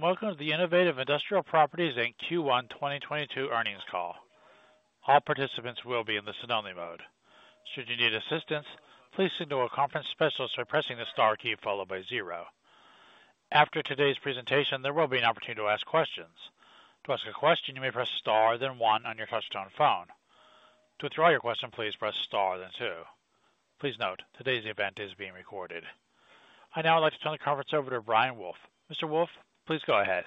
Welcome to the Innovative Industrial Properties Inc. Q1 2022 Earnings Call. All participants will be in the listen-only mode. Should you need assistance, please signal a conference specialist by pressing the star key followed by zero. After today's presentation, there will be an opportunity to ask questions. To ask a question, you may press star then one on your touchtone phone. To withdraw your question, please press star then two. Please note, today's event is being recorded. I'd now like to turn the conference over to Brian Wolfe. Mr. Wolfe, please go ahead.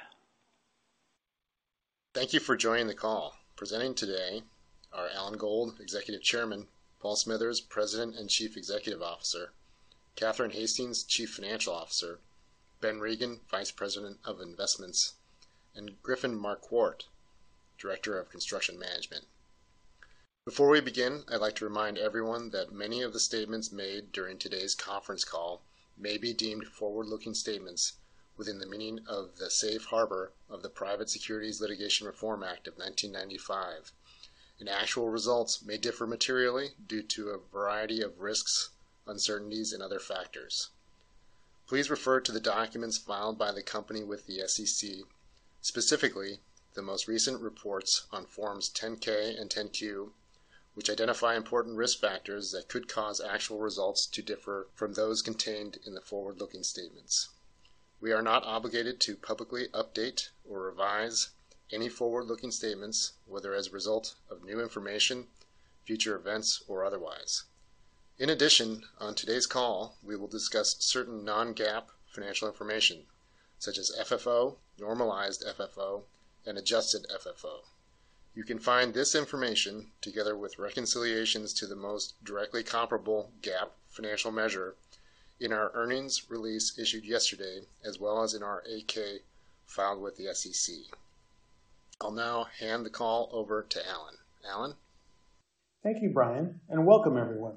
Thank you for joining the call. Presenting today are Alan Gold, Executive Chairman, Paul Smithers, President and Chief Executive Officer, Catherine Hastings, Chief Financial Officer, Ben Regin, Vice President of Investments, and Griffin Marquardt, Director of Construction Management. Before we begin, I'd like to remind everyone that many of the statements made during today's conference call may be deemed forward-looking statements within the meaning of the Safe Harbor of the Private Securities Litigation Reform Act of 1995, and actual results may differ materially due to a variety of risks, uncertainties and other factors. Please refer to the documents filed by the company with the SEC, specifically the most recent reports on Forms 10-K and 10-Q, which identify important risk factors that could cause actual results to differ from those contained in the forward-looking statements. We are not obligated to publicly update or revise any forward-looking statements, whether as a result of new information, future events, or otherwise. In addition, on today's call, we will discuss certain non-GAAP financial information such as FFO, normalized FFO, and adjusted FFO. You can find this information, together with reconciliations to the most directly comparable GAAP financial measure, in our earnings release issued yesterday, as well as in our 8-K filed with the SEC. I'll now hand the call over to Alan. Alan. Thank you, Brian, and welcome everyone.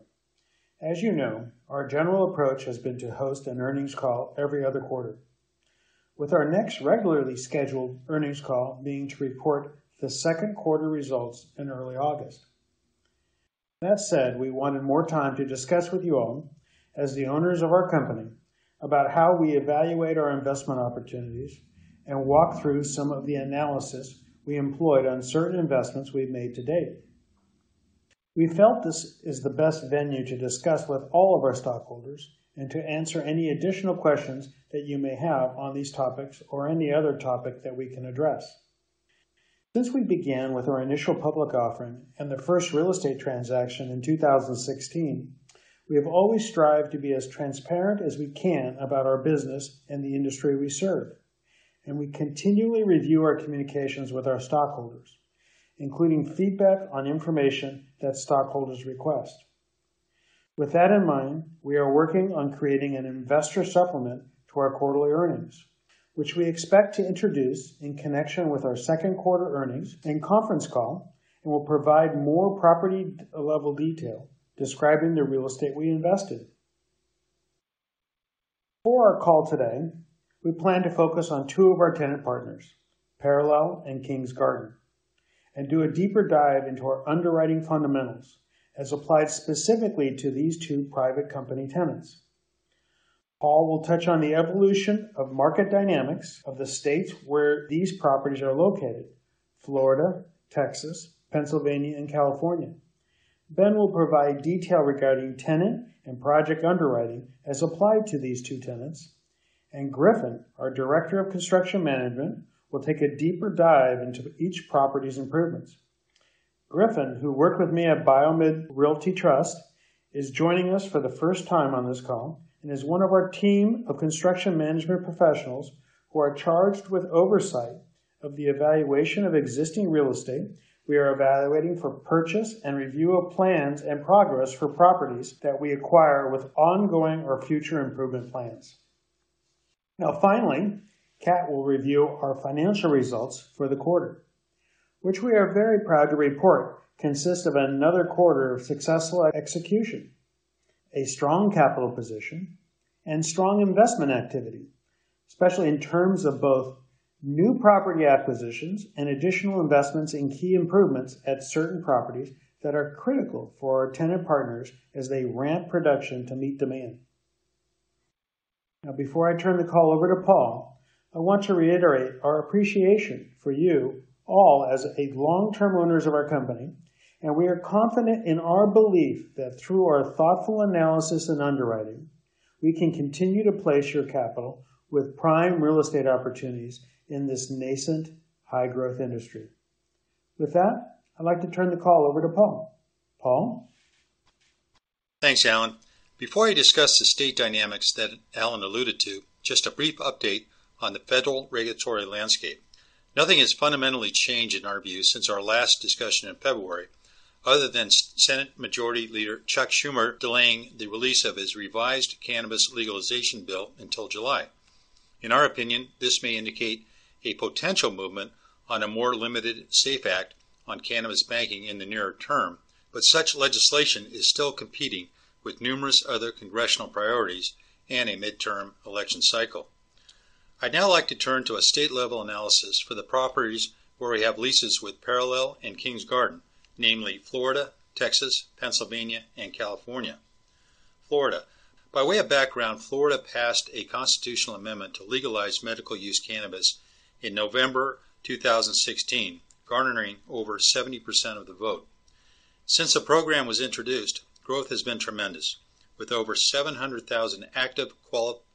As you know, our general approach has been to host an earnings call every other quarter, with our next regularly scheduled earnings call being to report the second quarter results in early August. That said, we wanted more time to discuss with you all, as the owners of our company, about how we evaluate our investment opportunities and walk through some of the analysis we employed on certain investments we've made to date. We felt this is the best venue to discuss with all of our stockholders and to answer any additional questions that you may have on these topics or any other topic that we can address. Since we began with our initial public offering and the first real estate transaction in 2016, we have always strived to be as transparent as we can about our business and the industry we serve, and we continually review our communications with our stockholders, including feedback on information that stockholders request. With that in mind, we are working on creating an investor supplement to our quarterly earnings, which we expect to introduce in connection with our second quarter earnings and conference call, and will provide more property level detail describing the real estate we invest in. For our call today, we plan to focus on two of our tenant partners, Parallel and Kings Garden, and do a deeper dive into our underwriting fundamentals as applied specifically to these two private company tenants. Paul will touch on the evolution of market dynamics of the states where these properties are located, Florida, Texas, Pennsylvania, and California. Ben will provide detail regarding tenant and project underwriting as applied to these two tenants. Griffin, our Director of Construction Management, will take a deeper dive into each property's improvements. Griffin, who worked with me at BioMed Realty Trust, is joining us for the first time on this call and is one of our team of construction management professionals who are charged with oversight of the evaluation of existing real estate we are evaluating for purchase and review of plans and progress for properties that we acquire with ongoing or future improvement plans. Now, finally, Cat will review our financial results for the quarter, which we are very proud to report consists of another quarter of successful execution, a strong capital position, and strong investment activity, especially in terms of both new property acquisitions and additional investments in key improvements at certain properties that are critical for our tenant partners as they ramp production to meet demand. Now, before I turn the call over to Paul, I want to reiterate our appreciation for you all as long-term owners of our company, and we are confident in our belief that through our thoughtful analysis and underwriting, we can continue to place your capital with prime real estate opportunities in this nascent high-growth industry. With that, I'd like to turn the call over to Paul. Paul? Thanks, Alan. Before I discuss the state dynamics that Alan alluded to, just a brief update on the federal regulatory landscape. Nothing has fundamentally changed in our view since our last discussion in February, other than Senate Majority Leader Chuck Schumer delaying the release of his revised cannabis legalization bill until July. In our opinion, this may indicate a potential movement on a more limited SAFE Act on cannabis banking in the nearer term, but such legislation is still competing with numerous other congressional priorities and a midterm election cycle. I'd now like to turn to a state-level analysis for the properties where we have leases with Parallel and Kings Garden, namely Florida, Texas, Pennsylvania, and California. Florida. By way of background, Florida passed a constitutional amendment to legalize medical-use cannabis in November 2016, garnering over 70% of the vote. Since the program was introduced, growth has been tremendous, with over 700,000 active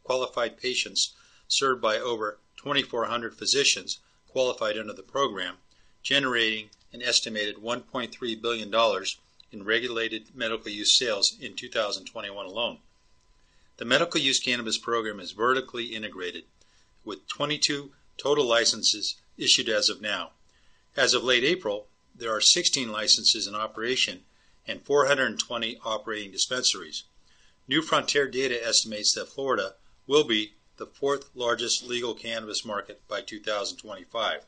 qualified patients served by over 2,400 physicians qualified under the program, generating an estimated $1.3 billion in regulated medical use sales in 2021 alone. The medical use cannabis program is vertically integrated with 22 total licenses issued as of now. As of late April, there are 16 licenses in operation and 420 operating dispensaries. New Frontier Data estimates that Florida will be the fourth largest legal cannabis market by 2025.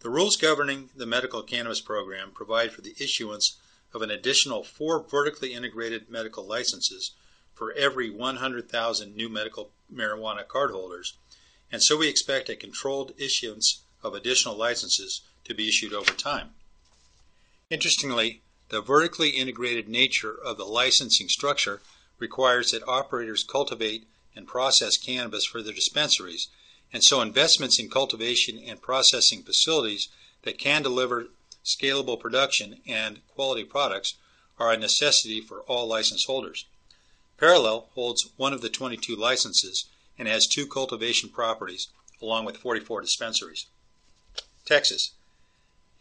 The rules governing the medical cannabis program provide for the issuance of an additional four vertically integrated medical licenses for every 100,000 new medical marijuana cardholders, and so we expect a controlled issuance of additional licenses to be issued over time. Interestingly, the vertically integrated nature of the licensing structure requires that operators cultivate and process cannabis for their dispensaries, and so investments in cultivation and processing facilities that can deliver scalable production and quality products are a necessity for all license holders. Parallel holds one of the 22 licenses and has two cultivation properties along with 44 dispensaries. Texas,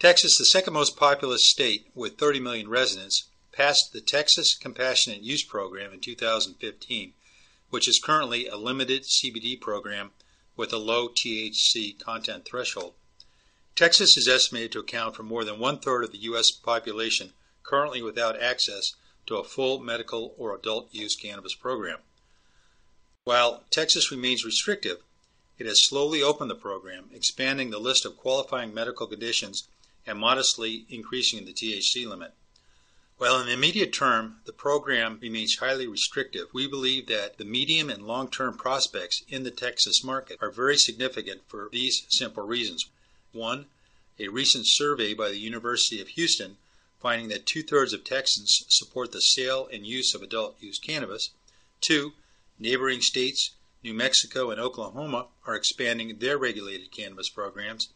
the second most populous state with 30 million residents, passed the Texas Compassionate Use Program in 2015, which is currently a limited CBD program with a low THC content threshold. Texas is estimated to account for more than one-third of the U.S. population currently without access to a full medical or adult use cannabis program. While Texas remains restrictive, it has slowly opened the program, expanding the list of qualifying medical conditions and modestly increasing the THC limit. While in the immediate term, the program remains highly restrictive, we believe that the medium and long-term prospects in the Texas market are very significant for these simple reasons. One, a recent survey by the University of Houston finding that two-thirds of Texans support the sale and use of adult-use cannabis. Two, neighboring states, New Mexico and Oklahoma, are expanding their regulated cannabis programs.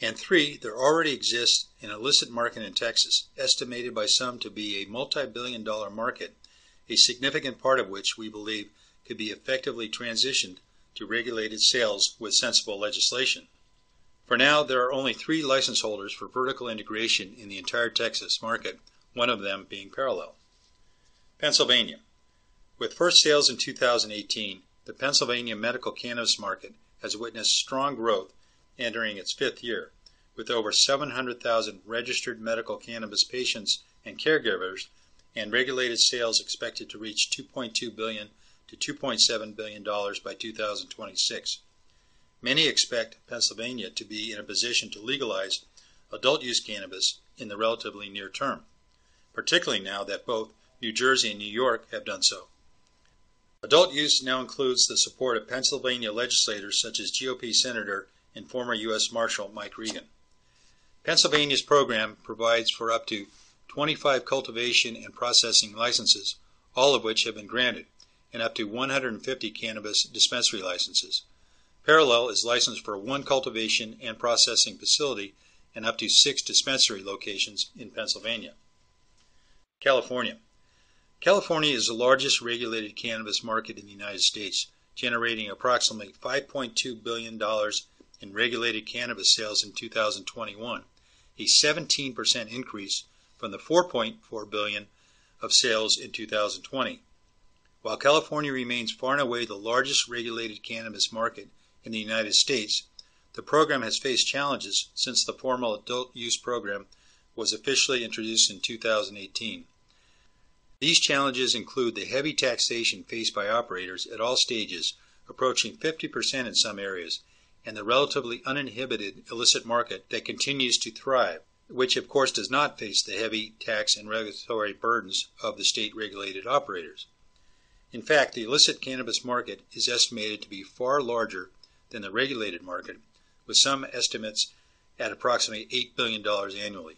And three, there already exists an illicit market in Texas, estimated by some to be a multi-billion dollar market, a significant part of which we believe could be effectively transitioned to regulated sales with sensible legislation. For now, there are only three license holders for vertical integration in the entire Texas market, one of them being Parallel. Pennsylvania. With first sales in 2018, the Pennsylvania medical cannabis market has witnessed strong growth entering its fifth year, with over 700,000 registered medical cannabis patients and caregivers, and regulated sales expected to reach $2.2 billion-$2.7 billion by 2026. Many expect Pennsylvania to be in a position to legalize adult use cannabis in the relatively near term, particularly now that both New Jersey and New York have done so. Adult use now includes the support of Pennsylvania legislators such as GOP Senator and former U.S. Marshal Mike Regan. Pennsylvania's program provides for up to 25 cultivation and processing licenses, all of which have been granted, and up to 150 cannabis dispensary licenses. Parallel is licensed for one cultivation and processing facility and up to six dispensary locations in Pennsylvania. California. California is the largest regulated cannabis market in the United States, generating approximately $5.2 billion in regulated cannabis sales in 2021, a 17% increase from the $4.4 billion of sales in 2020. While California remains far and away the largest regulated cannabis market in the United States, the program has faced challenges since the formal adult use program was officially introduced in 2018. These challenges include the heavy taxation faced by operators at all stages, approaching 50% in some areas, and the relatively uninhibited illicit market that continues to thrive, which of course does not face the heavy tax and regulatory burdens of the state regulated operators. In fact, the illicit cannabis market is estimated to be far larger than the regulated market, with some estimates at approximately $8 billion annually.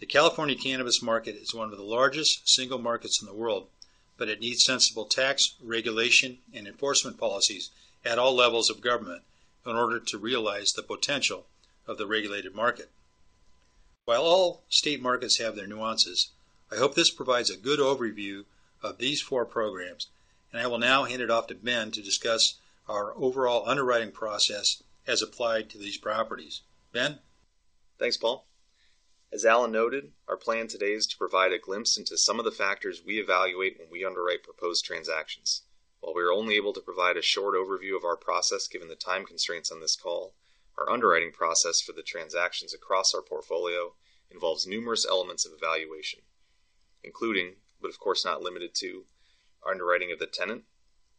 The California cannabis market is one of the largest single markets in the world, but it needs sensible tax, regulation, and enforcement policies at all levels of government in order to realize the potential of the regulated market. While all state markets have their nuances, I hope this provides a good overview of these four programs, and I will now hand it off to Ben to discuss our overall underwriting process as applied to these properties. Ben? Thanks, Paul. As Alan noted, our plan today is to provide a glimpse into some of the factors we evaluate when we underwrite proposed transactions. While we are only able to provide a short overview of our process given the time constraints on this call, our underwriting process for the transactions across our portfolio involves numerous elements of evaluation, including, but of course not limited to, underwriting of the tenant,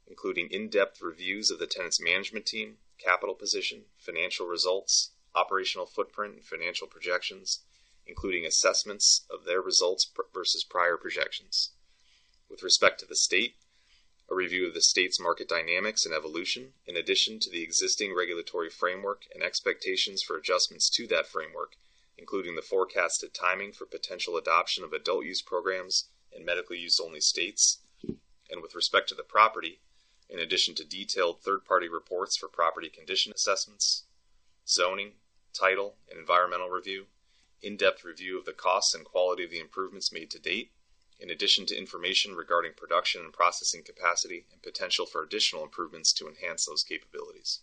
including in-depth reviews of the tenant's management team, capital position, financial results, operational footprint, and financial projections, including assessments of their results versus prior projections. With respect to the state, a review of the state's market dynamics and evolution, in addition to the existing regulatory framework and expectations for adjustments to that framework, including the forecasted timing for potential adoption of adult use programs in medically-used only states, and with respect to the property, in addition to detailed third-party reports for property condition assessments, zoning, title, and environmental review, in-depth review of the costs and quality of the improvements made to date, in addition to information regarding production and processing capacity and potential for additional improvements to enhance those capabilities.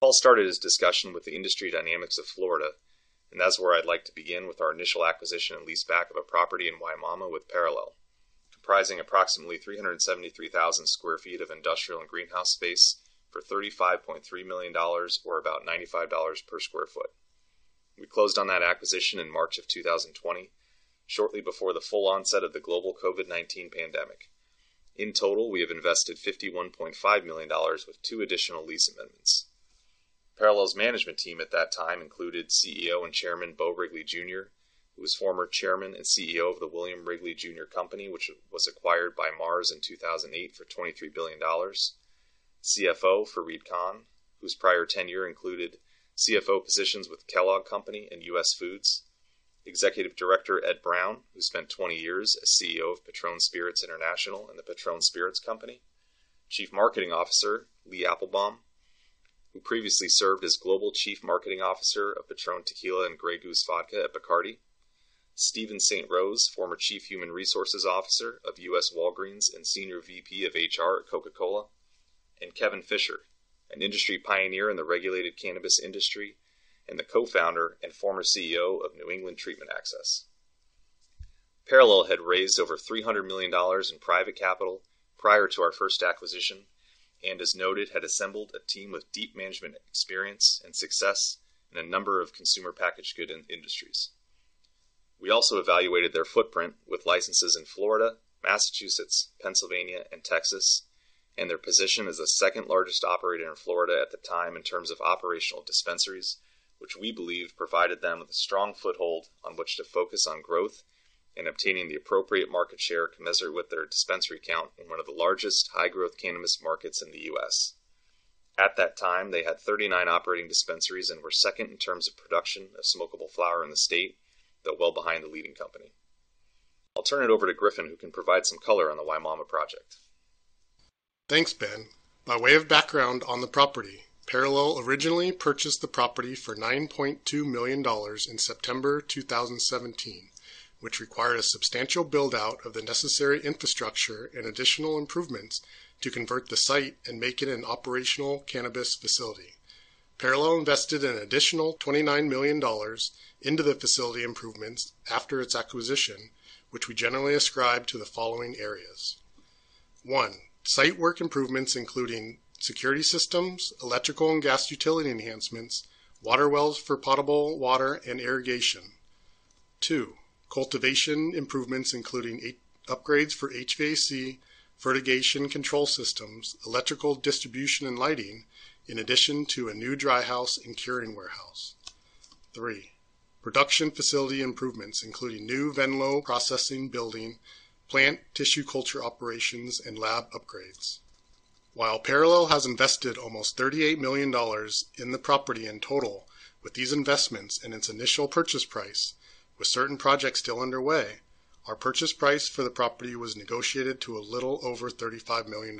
Paul started his discussion with the industry dynamics of Florida, and that's where I'd like to begin with our initial acquisition and lease back of a property in Wimauma with Parallel, comprising approximately 373,000 sq ft of industrial and greenhouse space for $35.3 million or about $95 per sq ft. We closed on that acquisition in March of 2020, shortly before the full onset of the global COVID-19 pandemic. In total, we have invested $51.5 million with two additional lease amendments. Parallel's management team at that time included CEO and Chairman Beau Wrigley Jr., who was former chairman and CEO of the Wm. Wrigley Jr. Company, which was acquired by Mars in 2008 for $23 billion, CFO Fareed Khan, whose prior tenure included CFO positions with Kellogg Company and US Foods, Executive Director Ed Brown, who spent 20 years as CEO of Patrón Spirits International and the Patrón Spirits Company, Chief Marketing Officer Lee Applbaum, who previously served as Global Chief Marketing Officer of PATRÓN Tequila and Grey Goose Vodka at Bacardi, Stevens Sainte-Rose, former Chief Human Resources Officer of Walgreens and Senior VP of HR at Coca-Cola, and Kevin Fisher, an industry pioneer in the regulated cannabis industry and the co-founder and former CEO of New England Treatment Access. Parallel had raised over $300 million in private capital prior to our first acquisition and as noted, had assembled a team with deep management experience and success in a number of consumer packaged goods industries. We also evaluated their footprint with licenses in Florida, Massachusetts, Pennsylvania, and Texas, and their position as the second-largest operator in Florida at the time in terms of operational dispensaries, which we believe provided them with a strong foothold on which to focus on growth and obtaining the appropriate market share commensurate with their dispensary count in one of the largest high-growth cannabis markets in the U.S. At that time, they had 39 operating dispensaries and were second in terms of production of smokable flower in the state, though well behind the leading company. I'll turn it over to Griffin, who can provide some color on the Wimauma project. Thanks, Ben. By way of background on the property, Parallel originally purchased the property for $9.2 million in September 2017, which required a substantial build-out of the necessary infrastructure and additional improvements to convert the site and make it an operational cannabis facility. Parallel invested an additional $29 million into the facility improvements after its acquisition, which we generally ascribe to the following areas. One, site work improvements, including security systems, electrical and gas utility enhancements, water wells for potable water and irrigation. Two, cultivation improvements, including upgrades for HVAC, fertigation control systems, electrical distribution and lighting, in addition to a new dry house and curing warehouse. Three, production facility improvements, including new Venlo processing building, plant tissue culture operations, and lab upgrades. While Parallel has invested almost $38 million in the property in total with these investments and its initial purchase price, with certain projects still underway, our purchase price for the property was negotiated to a little over $35 million.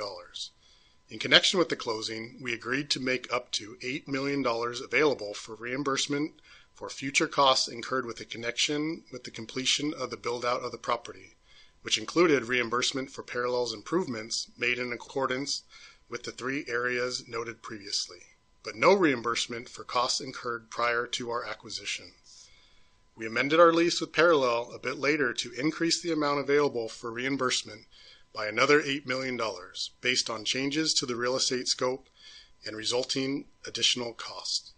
In connection with the closing, we agreed to make up to $8 million available for reimbursement for future costs incurred with the connection with the completion of the build-out of the property, which included reimbursement for Parallel's improvements made in accordance with the three areas noted previously, but no reimbursement for costs incurred prior to our acquisition. We amended our lease with Parallel a bit later to increase the amount available for reimbursement by another $8 million based on changes to the real estate scope and resulting additional costs.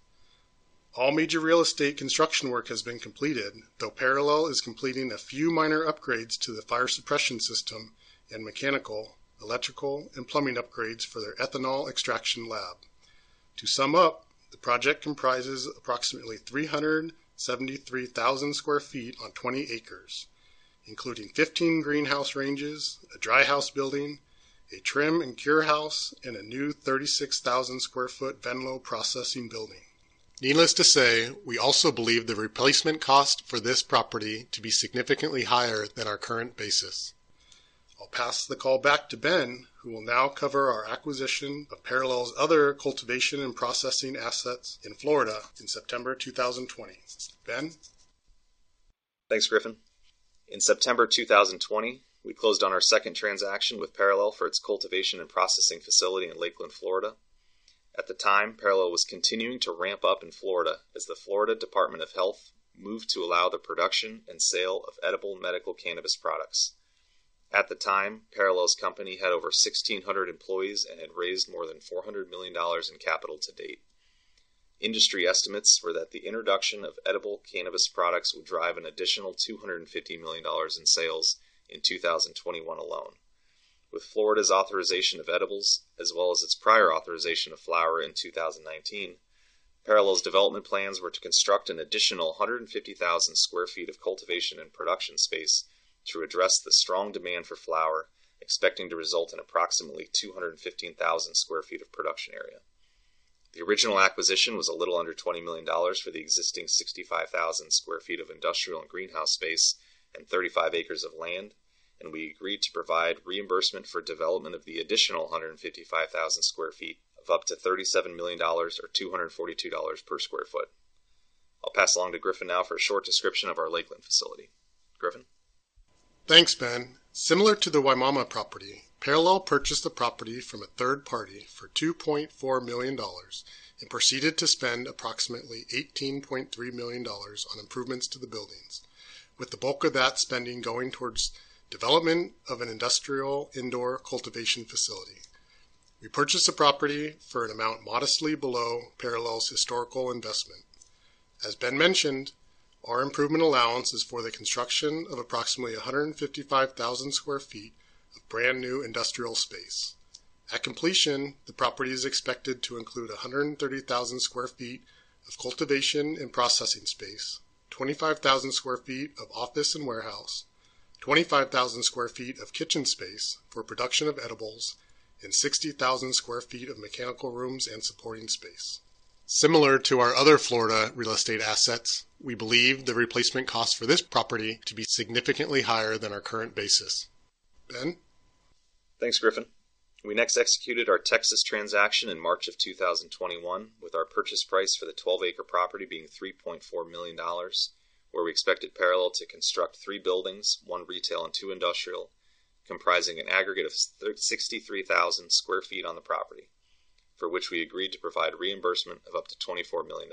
All major real estate construction work has been completed, though Parallel is completing a few minor upgrades to the fire suppression system and mechanical, electrical, and plumbing upgrades for their ethanol extraction lab. To sum up, the project comprises approximately 373,000 sq ft on 20 acres, including 15 greenhouse ranges, a dry house building, a trim and cure house, and a new 36,000 sq ft Venlo processing building. Needless to say, we also believe the replacement cost for this property to be significantly higher than our current basis. I'll pass the call back to Ben, who will now cover our acquisition of Parallel's other cultivation and processing assets in Florida in September 2020. Ben. Thanks, Griffin. In September 2020, we closed on our second transaction with Parallel for its cultivation and processing facility in Lakeland, Florida. At the time, Parallel was continuing to ramp up in Florida as the Florida Department of Health moved to allow the production and sale of edible medical cannabis products. At the time, Parallel's company had over 1,600 employees and had raised more than $400 million in capital to date. Industry estimates were that the introduction of edible cannabis products would drive an additional $250 million in sales in 2021 alone. With Florida's authorization of edibles, as well as its prior authorization of flower in 2019. Parallel's development plans were to construct an additional 150,000 sq ft of cultivation and production space to address the strong demand for flower, expecting to result in approximately 215,000 sq ft of production area. The original acquisition was a little under $20 million for the existing 65,000 sq ft of industrial and greenhouse space and 35 acres of land. We agreed to provide reimbursement for development of the additional 155,000 sq ft of up to $37 million or $242 per sq ft. I'll pass along to Griffin now for a short description of our Lakeland facility. Griffin. Thanks, Ben. Similar to the Wimauma property, Parallel purchased the property from a third party for $2.4 million and proceeded to spend approximately $18.3 million on improvements to the buildings, with the bulk of that spending going towards development of an industrial indoor cultivation facility. We purchased the property for an amount modestly below Parallel's historical investment. As Ben mentioned, our improvement allowance is for the construction of approximately 155,000 sq ft of brand-new industrial space. At completion, the property is expected to include 130,000 sq ft of cultivation and processing space, 25,000 sq ft of office and warehouse, 25,000 sq ft of kitchen space for production of edibles, and 60,000 sq ft of mechanical rooms and supporting space. Similar to our other Florida real estate assets, we believe the replacement cost for this property to be significantly higher than our current basis. Ben. Thanks, Griffin. We next executed our Texas transaction in March 2021, with our purchase price for the 12-acre property being $3.4 million, where we expected Parallel to construct three buildings, one retail and two industrial, comprising an aggregate of 63,000 sq ft on the property, for which we agreed to provide reimbursement of up to $24 million.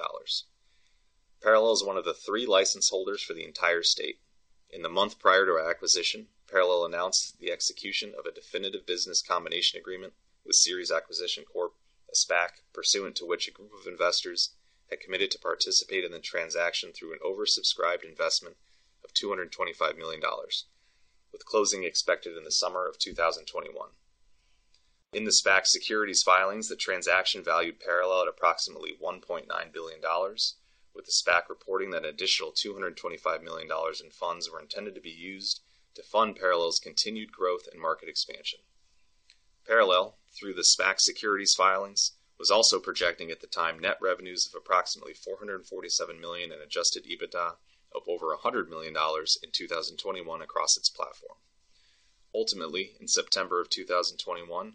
Parallel is one of the 3 license holders for the entire state. In the month prior to our acquisition, Parallel announced the execution of a definitive business combination agreement with Ceres Acquisition Corp, a SPAC, pursuant to which a group of investors had committed to participate in the transaction through an oversubscribed investment of $225 million, with closing expected in the summer 2021. In the SPAC securities filings, the transaction valued Parallel at approximately $1.9 billion, with the SPAC reporting that an additional $225 million in funds were intended to be used to fund Parallel's continued growth and market expansion. Parallel, through the SPAC securities filings, was also projecting at the time net revenues of approximately $447 million in adjusted EBITDA of over $100 million in 2021 across its platform. Ultimately, in September 2021,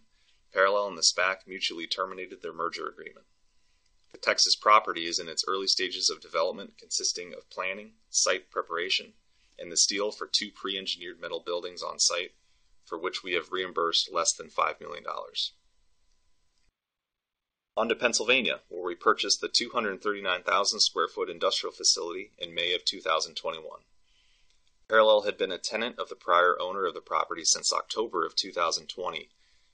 Parallel and the SPAC mutually terminated their merger agreement. The Texas property is in its early stages of development, consisting of planning, site preparation, and the steel for two pre-engineered metal buildings on site, for which we have reimbursed less than $5 million. On to Pennsylvania, where we purchased the 239,000 sq ft industrial facility in May 2021. Parallel had been a tenant of the prior owner of the property since October 2020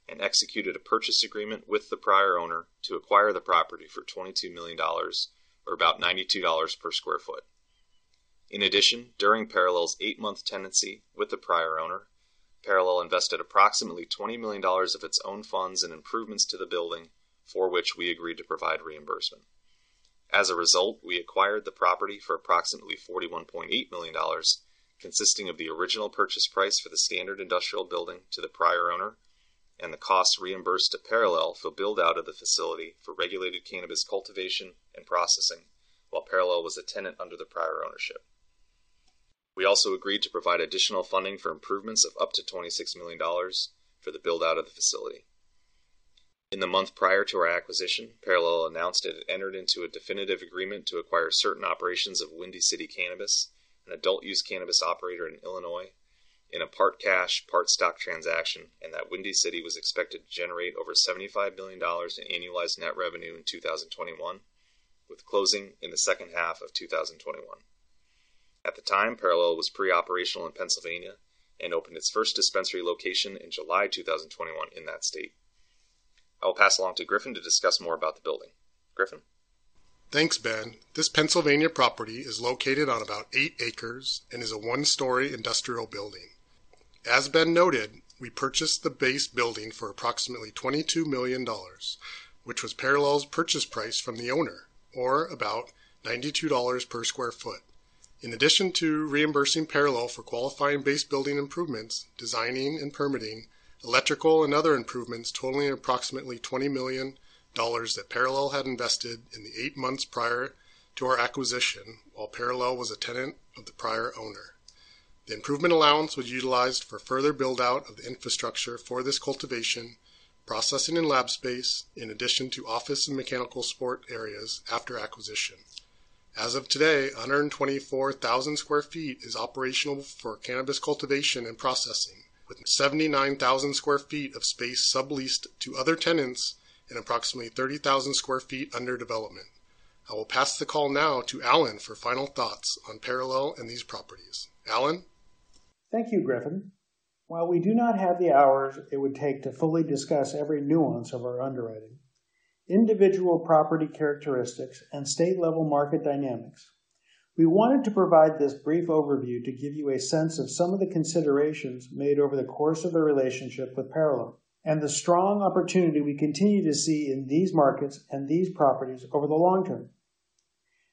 and executed a purchase agreement with the prior owner to acquire the property for $22 million or about $92 per sq ft. In addition, during Parallel's eight-month tenancy with the prior owner, Parallel invested approximately $20 million of its own funds and improvements to the building for which we agreed to provide reimbursement. As a result, we acquired the property for approximately $41.8 million, consisting of the original purchase price for the standard industrial building to the prior owner and the cost reimbursed to Parallel for build-out of the facility for regulated cannabis cultivation and processing while Parallel was a tenant under the prior ownership. We also agreed to provide additional funding for improvements of up to $26 million for the build-out of the facility. In the month prior to our acquisition, Parallel announced it had entered into a definitive agreement to acquire certain operations of Windy City Cannabis, an adult use cannabis operator in Illinois, in a part cash, part stock transaction, and that Windy City was expected to generate over $75 million in annualized net revenue in 2021, with closing in the second half of 2021. At the time, Parallel was pre-operational in Pennsylvania and opened its first dispensary location in July 2021 in that state. I'll pass along to Griffin to discuss more about the building. Griffin. Thanks, Ben. This Pennsylvania property is located on about eight acres and is a one-storey industrial building. As Ben noted, we purchased the base building for approximately $22 million, which was Parallel's purchase price from the owner, or about $92 per sq ft. In addition to reimbursing Parallel for qualifying base building improvements, designing and permitting electrical and other improvements totaling approximately $20 million that Parallel had invested in the eight months prior to our acquisition while Parallel was a tenant of the prior owner. The improvement allowance was utilized for further build-out of the infrastructure for this cultivation, processing, and lab space, in addition to office and mechanical support areas after acquisition. As of today, 124,000 sq ft is operational for cannabis cultivation and processing, with 79,000 sq ft of space subleased to other tenants and approximately 30,000 sq ft under development. I will pass the call now to Alan for final thoughts on Parallel and these properties. Alan. Thank you, Griffin. While we do not have the hours it would take to fully discuss every nuance of our underwriting, individual property characteristics and state-level market dynamics. We wanted to provide this brief overview to give you a sense of some of the considerations made over the course of the relationship with Parallel and the strong opportunity we continue to see in these markets and these properties over the long term.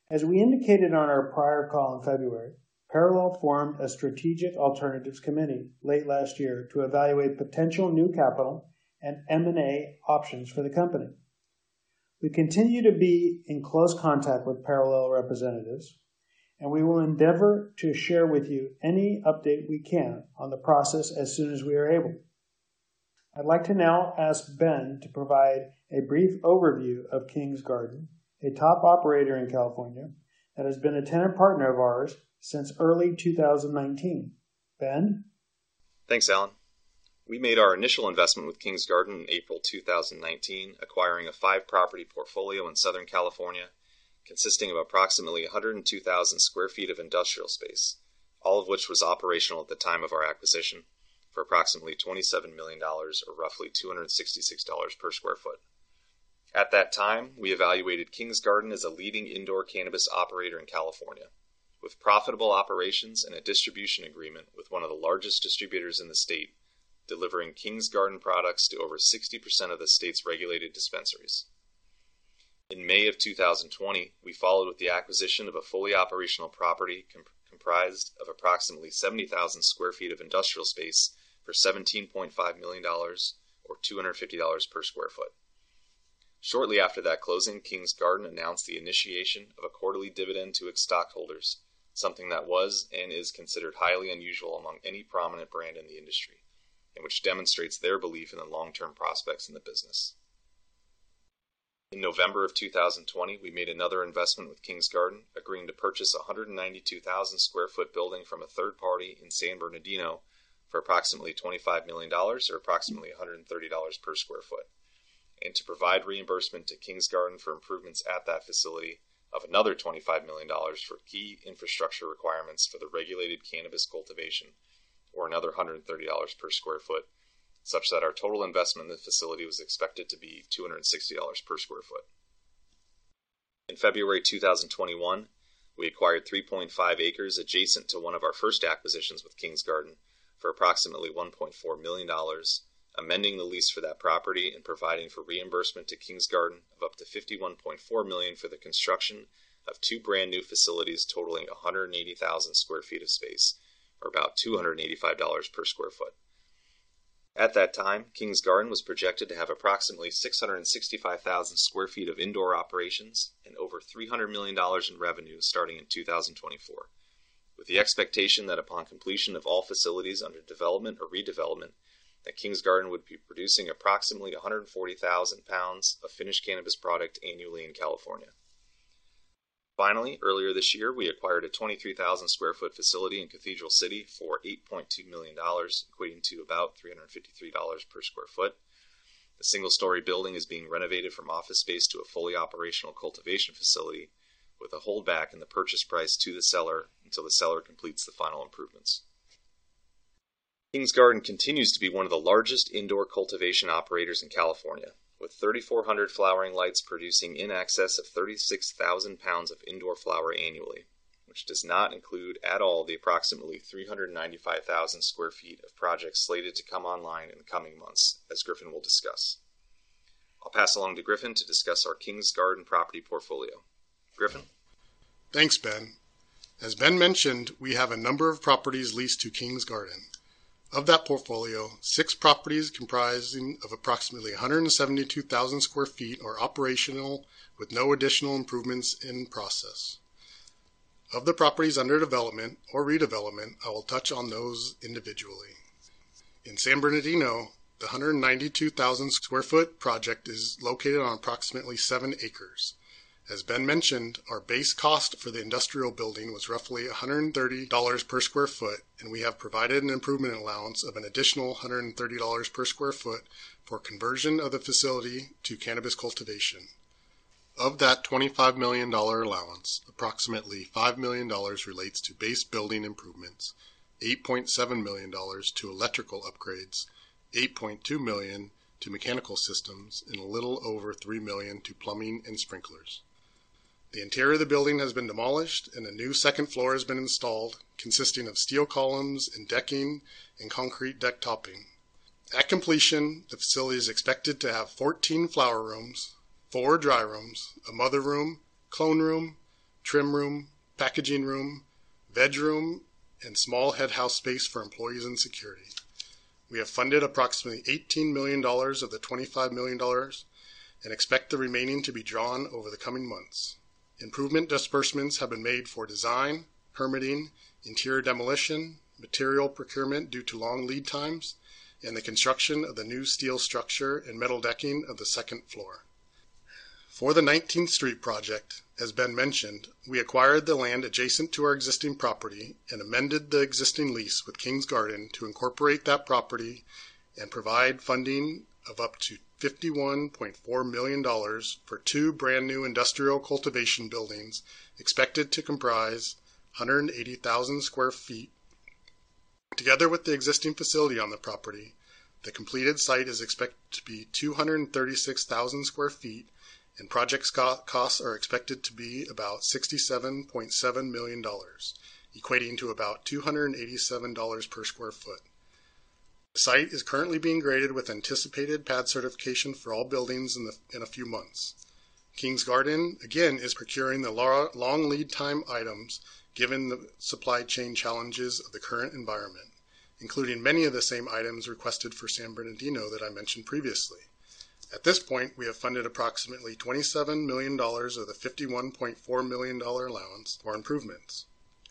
As we indicated on our prior call in February, Parallel formed a strategic alternatives committee late last year to evaluate potential new capital and M&A options for the company. We continue to be in close contact with Parallel representatives, and we will endeavor to share with you any update we can on the process as soon as we are able. I'd like to now ask Ben to provide a brief overview of Kings Garden, a top operator in California that has been a tenant partner of ours since early 2019. Ben. Thanks, Alan. We made our initial investment with Kings Garden in April 2019, acquiring a five-property portfolio in Southern California consisting of approximately 102,000 sq ft of industrial space, all of which was operational at the time of our acquisition for approximately $27 million or roughly $266 per sq ft. At that time, we evaluated Kings Garden as a leading indoor cannabis operator in California with profitable operations and a distribution agreement with one of the largest distributors in the state, delivering Kings Garden products to over 60% of the state's regulated dispensaries. In May 2020, we followed with the acquisition of a fully operational property comprised of approximately 70,000 sq ft of industrial space for $17.5 million or $250 per sq ft. Shortly after that closing, Kings Garden announced the initiation of a quarterly dividend to its stockholders, something that was and is considered highly unusual among any prominent brand in the industry, and which demonstrates their belief in the long-term prospects in the business. In November 2020, we made another investment with Kings Garden, agreeing to purchase a 192,000 sq ft building from a third party in San Bernardino for approximately $25 million or approximately $130 per sq ft, and to provide reimbursement to Kings Garden for improvements at that facility of another $25 million for key infrastructure requirements for the regulated cannabis cultivation of another $130 per sq ft, such that our total investment in the facility was expected to be $260 per sq ft. In February 2021, we acquired 3.5 acres adjacent to one of our first acquisitions with Kings Garden for approximately $1.4 million, amending the lease for that property and providing for reimbursement to Kings Garden of up to $51.4 million for the construction of two brand new facilities totaling 180,000 sq ft of space, or about $285 per sq ft. At that time, Kings Garden was projected to have approximately 665,000 sq ft of indoor operations and over $300 million in revenue starting in 2024, with the expectation that upon completion of all facilities under development or redevelopment, that Kings Garden would be producing approximately 140,000 pounds of finished cannabis product annually in California. Finally, earlier this year, we acquired a 23,000 sq ft facility in Cathedral City for $8.2 million, equating to about $353 per sq ft. The single-story building is being renovated from office space to a fully operational cultivation facility with a holdback in the purchase price to the seller until the seller completes the final improvements. Kings Garden continues to be one of the largest indoor cultivation operators in California, with 3,400 flowering lights producing in excess of 36,000 pounds of indoor flower annually, which does not include at all the approximately 395,000 sq ft of projects slated to come online in the coming months, as Griffin will discuss. I'll pass along to Griffin to discuss our Kings Garden property portfolio. Griffin. Thanks, Ben. As Ben mentioned, we have a number of properties leased to Kings Garden. Of that portfolio, six properties comprising of approximately 172,000 sq ft are operational with no additional improvements in process. Of the properties under development or redevelopment, I will touch on those individually. In San Bernardino, the 192,000 sq ft project is located on approximately 7 acres. As Ben mentioned, our base cost for the industrial building was roughly $130 per sq ft, and we have provided an improvement allowance of an additional $130 per sq ft for conversion of the facility to cannabis cultivation. Of that $25 million allowance, approximately $5 million relates to base building improvements, $8.7 million to electrical upgrades, $8.2 million to mechanical systems, and a little over $3 million to plumbing and sprinklers. The interior of the building has been demolished and a new second floor has been installed consisting of steel columns and decking and concrete deck topping. At completion, the facility is expected to have 14 flower rooms, four dry rooms, a mother room, clone room, trim room, packaging room, veg room, and small head house space for employees and security. We have funded approximately $18 million of the $25 million and expect the remaining to be drawn over the coming months. Improvement disbursements have been made for design, permitting, interior demolition, material procurement due to long lead times, and the construction of the new steel structure and metal decking of the second floor. For the 19th Street project, as Ben mentioned, we acquired the land adjacent to our existing property and amended the existing lease with Kings Garden to incorporate that property and provide funding of up to $51.4 million for two brand new industrial cultivation buildings expected to comprise 180,000 sq ft. Together with the existing facility on the property, the completed site is expected to be 236,000 sq ft and project costs are expected to be about $67.7 million, equating to about $287 per sq ft. The site is currently being graded with anticipated pad certification for all buildings in a few months. Kings Garden, again, is procuring the long lead time items given the supply chain challenges of the current environment, including many of the same items requested for San Bernardino that I mentioned previously. At this point, we have funded approximately $27 million of the $51.4 million allowance for improvements.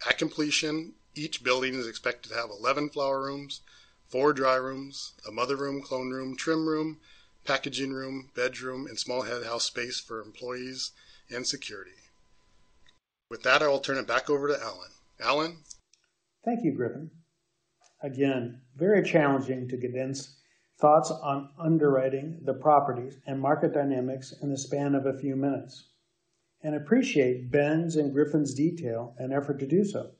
At completion, each building is expected to have 11 flower rooms, four dry rooms, a mother room, clone room, trim room, packaging room, bedroom, and small head house space for employees and security. With that, I'll turn it back over to Alan. Alan? Thank you, Griffin. Again, very challenging to condense thoughts on underwriting the properties and market dynamics in the span of a few minutes, and appreciate Ben's and Griffin's detail and effort to do so.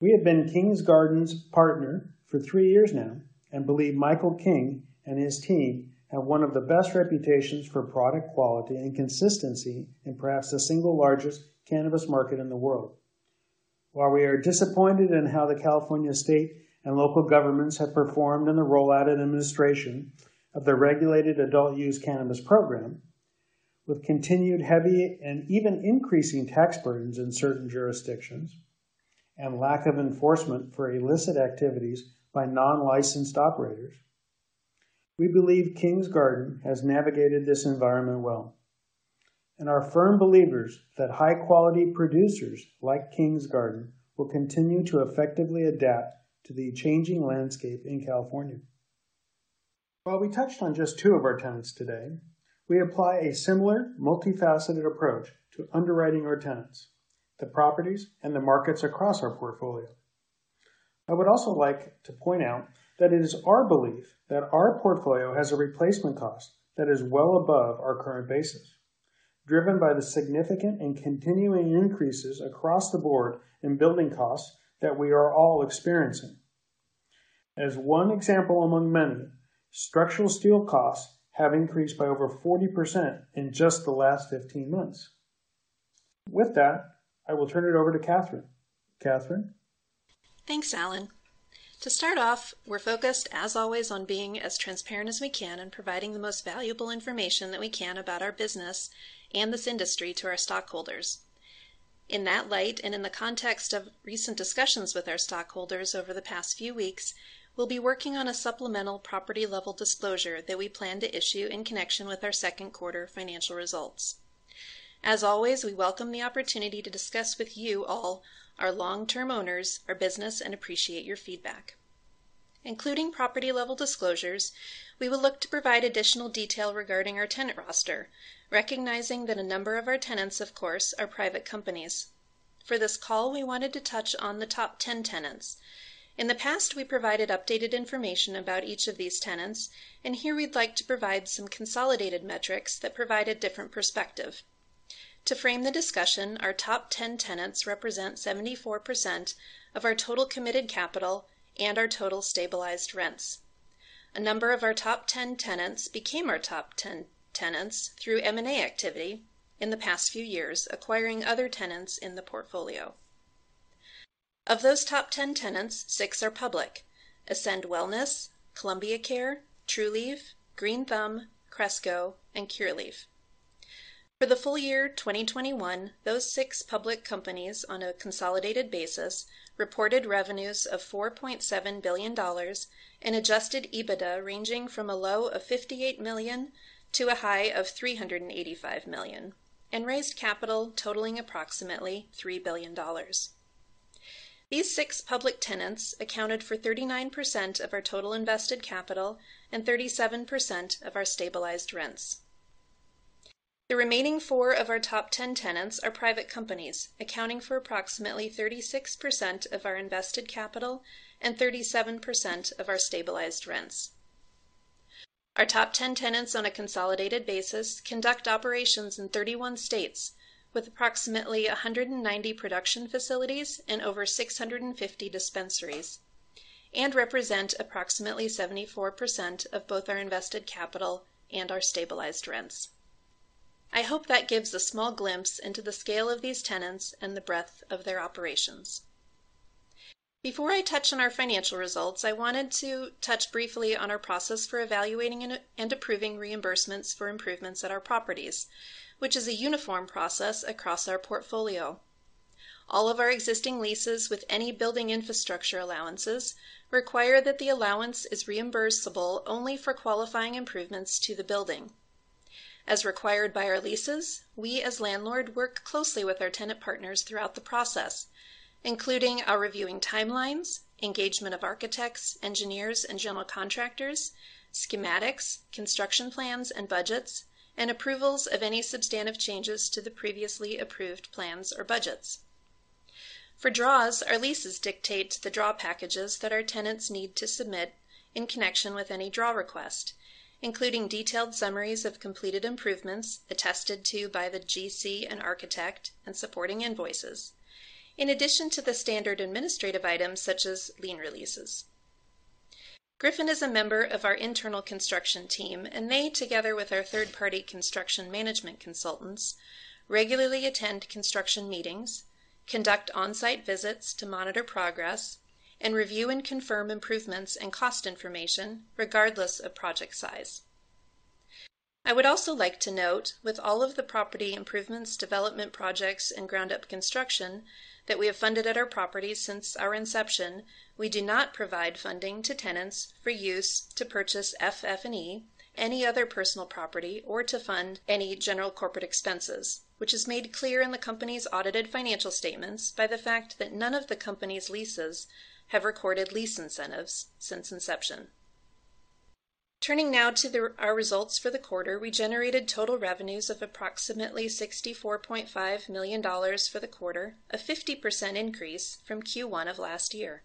We have been Kings Garden's partner for three years now and believe Michael King and his team have one of the best reputations for product quality and consistency in perhaps the single largest cannabis market in the world. While we are disappointed in how the California state and local governments have performed in the rollout and administration of the regulated adult use cannabis program, with continued heavy and even increasing tax burdens in certain jurisdictions and lack of enforcement for illicit activities by non-licensed operators, we believe Kings Garden has navigated this environment well. We are firm believers that high quality producers like Kings Garden will continue to effectively adapt to the changing landscape in California. While we touched on just two of our tenants today, we apply a similar multifaceted approach to underwriting our tenants, the properties, and the markets across our portfolio. I would also like to point out that it is our belief that our portfolio has a replacement cost that is well above our current basis, driven by the significant and continuing increases across the board in building costs that we are all experiencing. As one example among many, structural steel costs have increased by over 40% in just the last 15 months. With that, I will turn it over to Catherine. Catherine? Thanks, Alan. To start off, we're focused, as always, on being as transparent as we can and providing the most valuable information that we can about our business and this industry to our stockholders. In that light, and in the context of recent discussions with our stockholders over the past few weeks, we'll be working on a supplemental property level disclosure that we plan to issue in connection with our second quarter financial results. As always, we welcome the opportunity to discuss with you all, our long-term owners, our business, and appreciate your feedback. Including property-level disclosures, we will look to provide additional detail regarding our tenant roster, recognizing that a number of our tenants, of course, are private companies. For this call, we wanted to touch on the top 10 tenants. In the past, we provided updated information about each of these tenants, and here we'd like to provide some consolidated metrics that provide a different perspective. To frame the discussion, our top ten tenants represent 74% of our total committed capital and our total stabilized rents. A number of our top ten tenants became our top ten tenants through M&A activity in the past few years, acquiring other tenants in the portfolio. Of those top ten tenants, six are public: Ascend Wellness, Columbia Care, Trulieve, Green Thumb, Cresco, and Curaleaf. For the full year 2021, those six public companies on a consolidated basis reported revenues of $4.7 billion and adjusted EBITDA ranging from a low of $58 million to a high of $385 million, and raised capital totaling approximately $3 billion. These six public tenants accounted for 39% of our total invested capital and 37% of our stabilized rents. The remaining four of our top ten tenants are private companies, accounting for approximately 36% of our invested capital and 37% of our stabilized rents. Our top ten tenants on a consolidated basis conduct operations in 31 states with approximately 190 production facilities and over 650 dispensaries, and represent approximately 74% of both our invested capital and our stabilized rents. I hope that gives a small glimpse into the scale of these tenants and the breadth of their operations. Before I touch on our financial results, I wanted to touch briefly on our process for evaluating and approving reimbursements for improvements at our properties, which is a uniform process across our portfolio. All of our existing leases with any building infrastructure allowances require that the allowance is reimbursable only for qualifying improvements to the building. As required by our leases, we, as landlord, work closely with our tenant partners throughout the process, including our reviewing timelines, engagement of architects, engineers, and general contractors, schematics, construction plans, and budgets, and approvals of any substantive changes to the previously approved plans or budgets. For draws, our leases dictate the draw packages that our tenants need to submit in connection with any draw request, including detailed summaries of completed improvements attested to by the GC and architect and supporting invoices. In addition to the standard administrative items such as lien releases. Griffin is a member of our internal construction team, and they, together with our third-party construction management consultants, regularly attend construction meetings, conduct on-site visits to monitor progress, and review and confirm improvements and cost information regardless of project size. I would also like to note, with all of the property improvements, development projects, and ground-up construction that we have funded at our properties since our inception, we do not provide funding to tenants for use to purchase FF&E, any other personal property, or to fund any general corporate expenses, which is made clear in the company's audited financial statements by the fact that none of the company's leases have recorded lease incentives since inception. Turning now to our results for the quarter, we generated total revenues of approximately $64.5 million for the quarter, a 50% increase from Q1 of last year.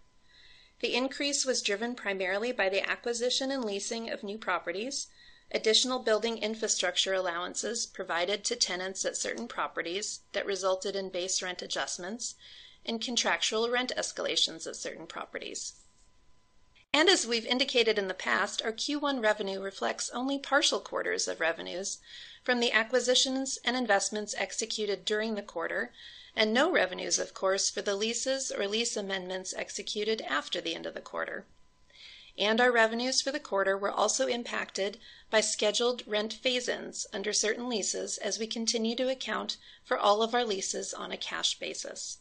The increase was driven primarily by the acquisition and leasing of new properties, additional building infrastructure allowances provided to tenants at certain properties that resulted in base rent adjustments, and contractual rent escalations at certain properties. As we've indicated in the past, our Q1 revenue reflects only partial quarters of revenues from the acquisitions and investments executed during the quarter, and no revenues, of course, for the leases or lease amendments executed after the end of the quarter. Our revenues for the quarter were also impacted by scheduled rent phase-ins under certain leases as we continue to account for all of our leases on a cash basis.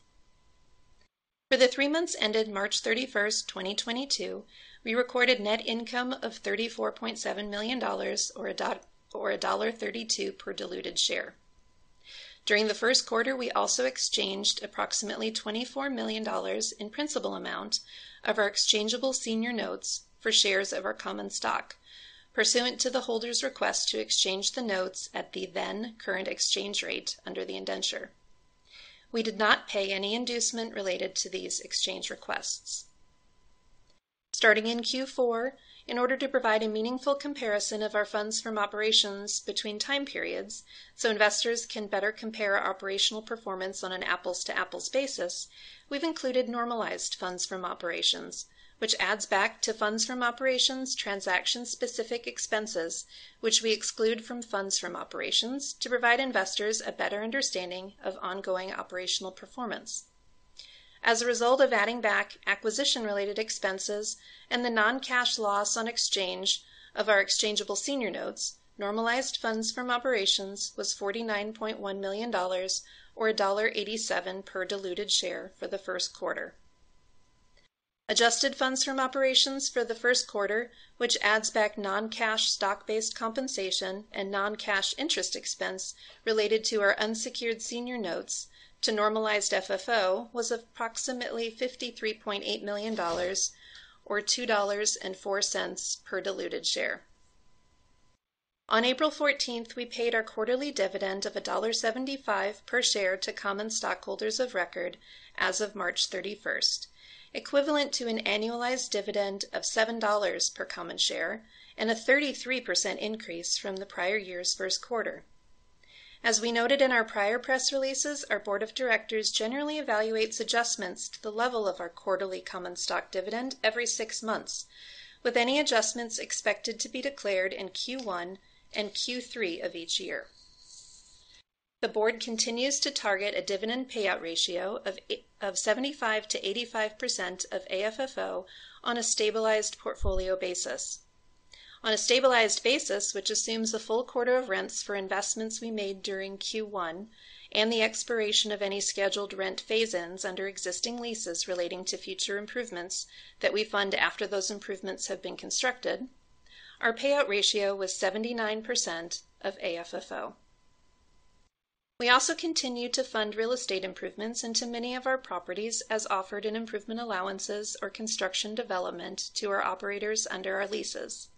For the three months ended March 31st, 2022, we recorded net income of $34.7 million, or $1.32 per diluted share. During the first quarter, we also exchanged approximately $24 million in principal amount of our exchangeable senior notes for shares of our common stock, pursuant to the holder's request to exchange the notes at the then current exchange rate under the indenture. We did not pay any inducement related to these exchange requests. Starting in Q4, in order to provide a meaningful comparison of our funds from operations between time periods so investors can better compare operational performance on an apples-to-apples basis, we've included normalized funds from operations, which adds back to funds from operations transaction-specific expenses, which we exclude from funds from operations to provide investors a better understanding of ongoing operational performance. As a result of adding back acquisition-related expenses and the non-cash loss on exchange of our exchangeable senior notes, normalized funds from operations was $49.1 million, or $1.87 per diluted share for the first quarter. Adjusted funds from operations for the first quarter, which adds back non-cash stock-based compensation and non-cash interest expense related to our unsecured senior notes to normalized FFO, was approximately $53.8 million, or $2.04 per diluted share. On April 14th, we paid our quarterly dividend of $1.75 per share to common stockholders of record as of March 31st, equivalent to an annualized dividend of $7 per common share and a 33% increase from the prior year's first quarter. As we noted in our prior press releases, our board of directors generally evaluates adjustments to the level of our quarterly common stock dividend every six months, with any adjustments expected to be declared in Q1 and Q3 of each year. The board continues to target a dividend payout ratio of 75%-85% of AFFO on a stabilized portfolio basis. On a stabilized basis, which assumes the full quarter of rents for investments we made during Q1 and the expiration of any scheduled rent phase-ins under existing leases relating to future improvements that we fund after those improvements have been constructed, our payout ratio was 79% of AFFO. We also continue to fund real estate improvements into many of our properties as offered in improvement allowances or construction development to our operators under our leases.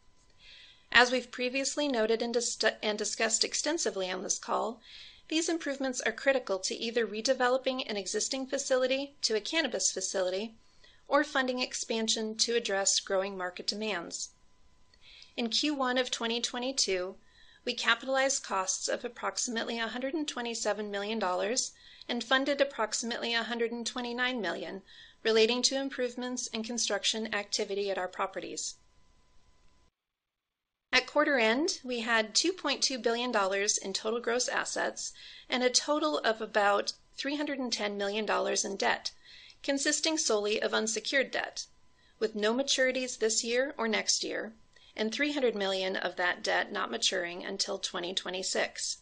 As we've previously noted and discussed extensively on this call, these improvements are critical to either redeveloping an existing facility to a cannabis facility or funding expansion to address growing market demands. In Q1 of 2022, we capitalized costs of approximately $127 million and funded approximately $129 million relating to improvements in construction activity at our properties. At quarter end, we had $2.2 billion in total gross assets and a total of about $310 million in debt, consisting solely of unsecured debt, with no maturities this year or next year, and $300 million of that debt not maturing until 2026.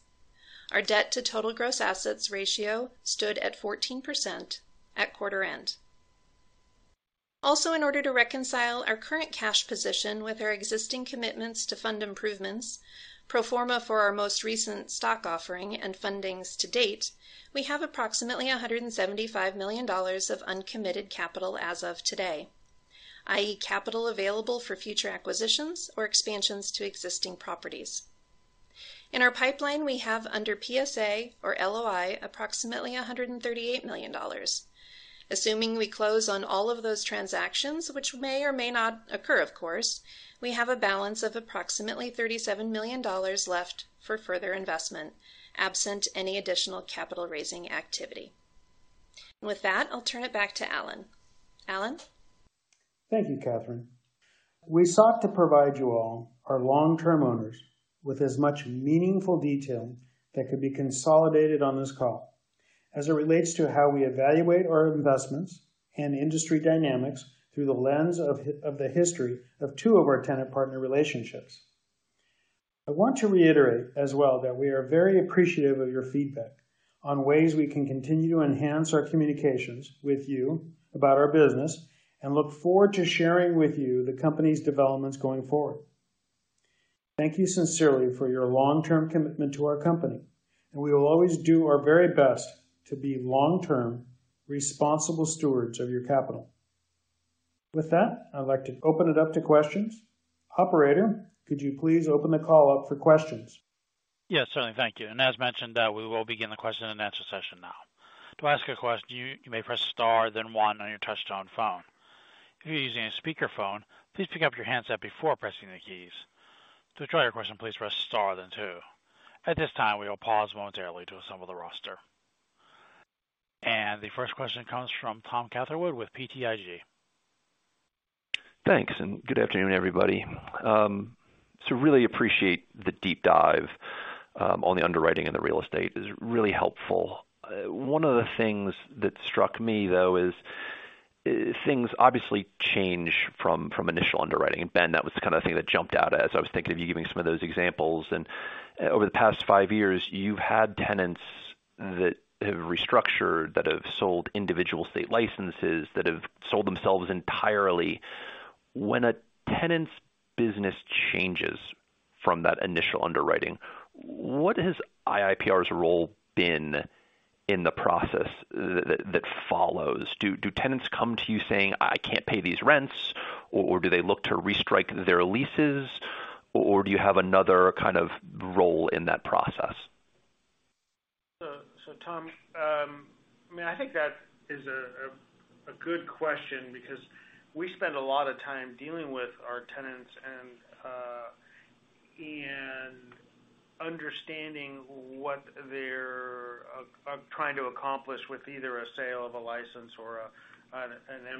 Our debt-to-total gross assets ratio stood at 14% at quarter end. Also, in order to reconcile our current cash position with our existing commitments to fund improvements, pro forma for our most recent stock offering and fundings to date, we have approximately $175 million of uncommitted capital as of today, i.e. capital available for future acquisitions or expansions to existing properties. In our pipeline, we have under PSA or LOI approximately $138 million. Assuming we close on all of those transactions, which may or may not occur, of course, we have a balance of approximately $37 million left for further investment, absent any additional capital-raising activity. With that, I'll turn it back to Alan. Alan? Thank you, Catherine. We sought to provide you all, our long-term owners, with as much meaningful detail that could be consolidated on this call as it relates to how we evaluate our investments and industry dynamics through the lens of the history of two of our tenant partner relationships. I want to reiterate as well that we are very appreciative of your feedback on ways we can continue to enhance our communications with you about our business and look forward to sharing with you the company's developments going forward. Thank you sincerely for your long-term commitment to our company, and we will always do our very best to be long-term, responsible stewards of your capital. With that, I'd like to open it up to questions. Operator, could you please open the call up for questions? Yes, certainly. Thank you. As mentioned, we will begin the question and answer session now. To ask a question, you may press star, then one on your touchtone phone. If you're using a speaker phone, please pick up your handset before pressing the keys. To withdraw your question, please press star then two. At this time, we will pause momentarily to assemble the roster. The first question comes from Tom Catherwood with BTIG. Thanks, and good afternoon, everybody. Really appreciate the deep dive on the underwriting and the real estate. It's really helpful. One of the things that struck me though is things obviously change from initial underwriting. Ben, that was the kinda thing that jumped out as I was thinking of you giving some of those examples. Over the past five years, you've had tenants that have restructured, that have sold individual state licenses, that have sold themselves entirely. When a tenant's business changes from that initial underwriting, what has IIPR's role been in the process that follows? Do tenants come to you saying, "I can't pay these rents," or do they look to restrike their leases, or do you have another kind of role in that process? Tom, I mean, I think that is a good question because we spend a lot of time dealing with our tenants and understanding what they're trying to accomplish with either a sale of a license or an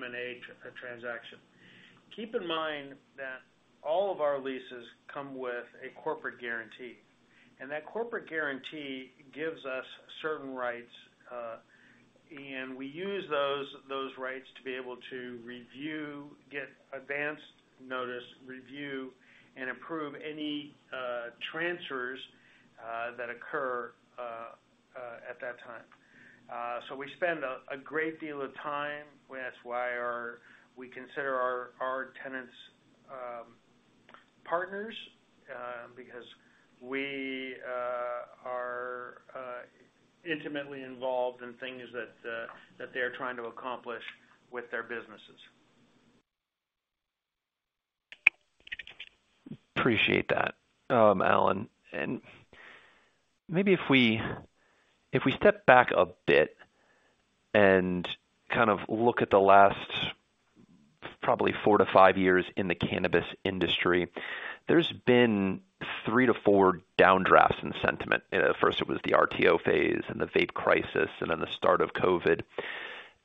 M&A transaction. Keep in mind that all of our leases come with a corporate guarantee, and that corporate guarantee gives us certain rights and we use those rights to be able to review, get advanced notice, review, and approve any transfers at that time. We spend a great deal of time. That's why we consider our tenants partners because we are intimately involved in things that they're trying to accomplish with their businesses. Appreciate that, Alan. Maybe if we step back a bit and kind of look at the last probably four to five years in the cannabis industry, there has been three to four downdrafts in sentiment. First it was the RTO phase and the vape crisis, and then the start of COVID,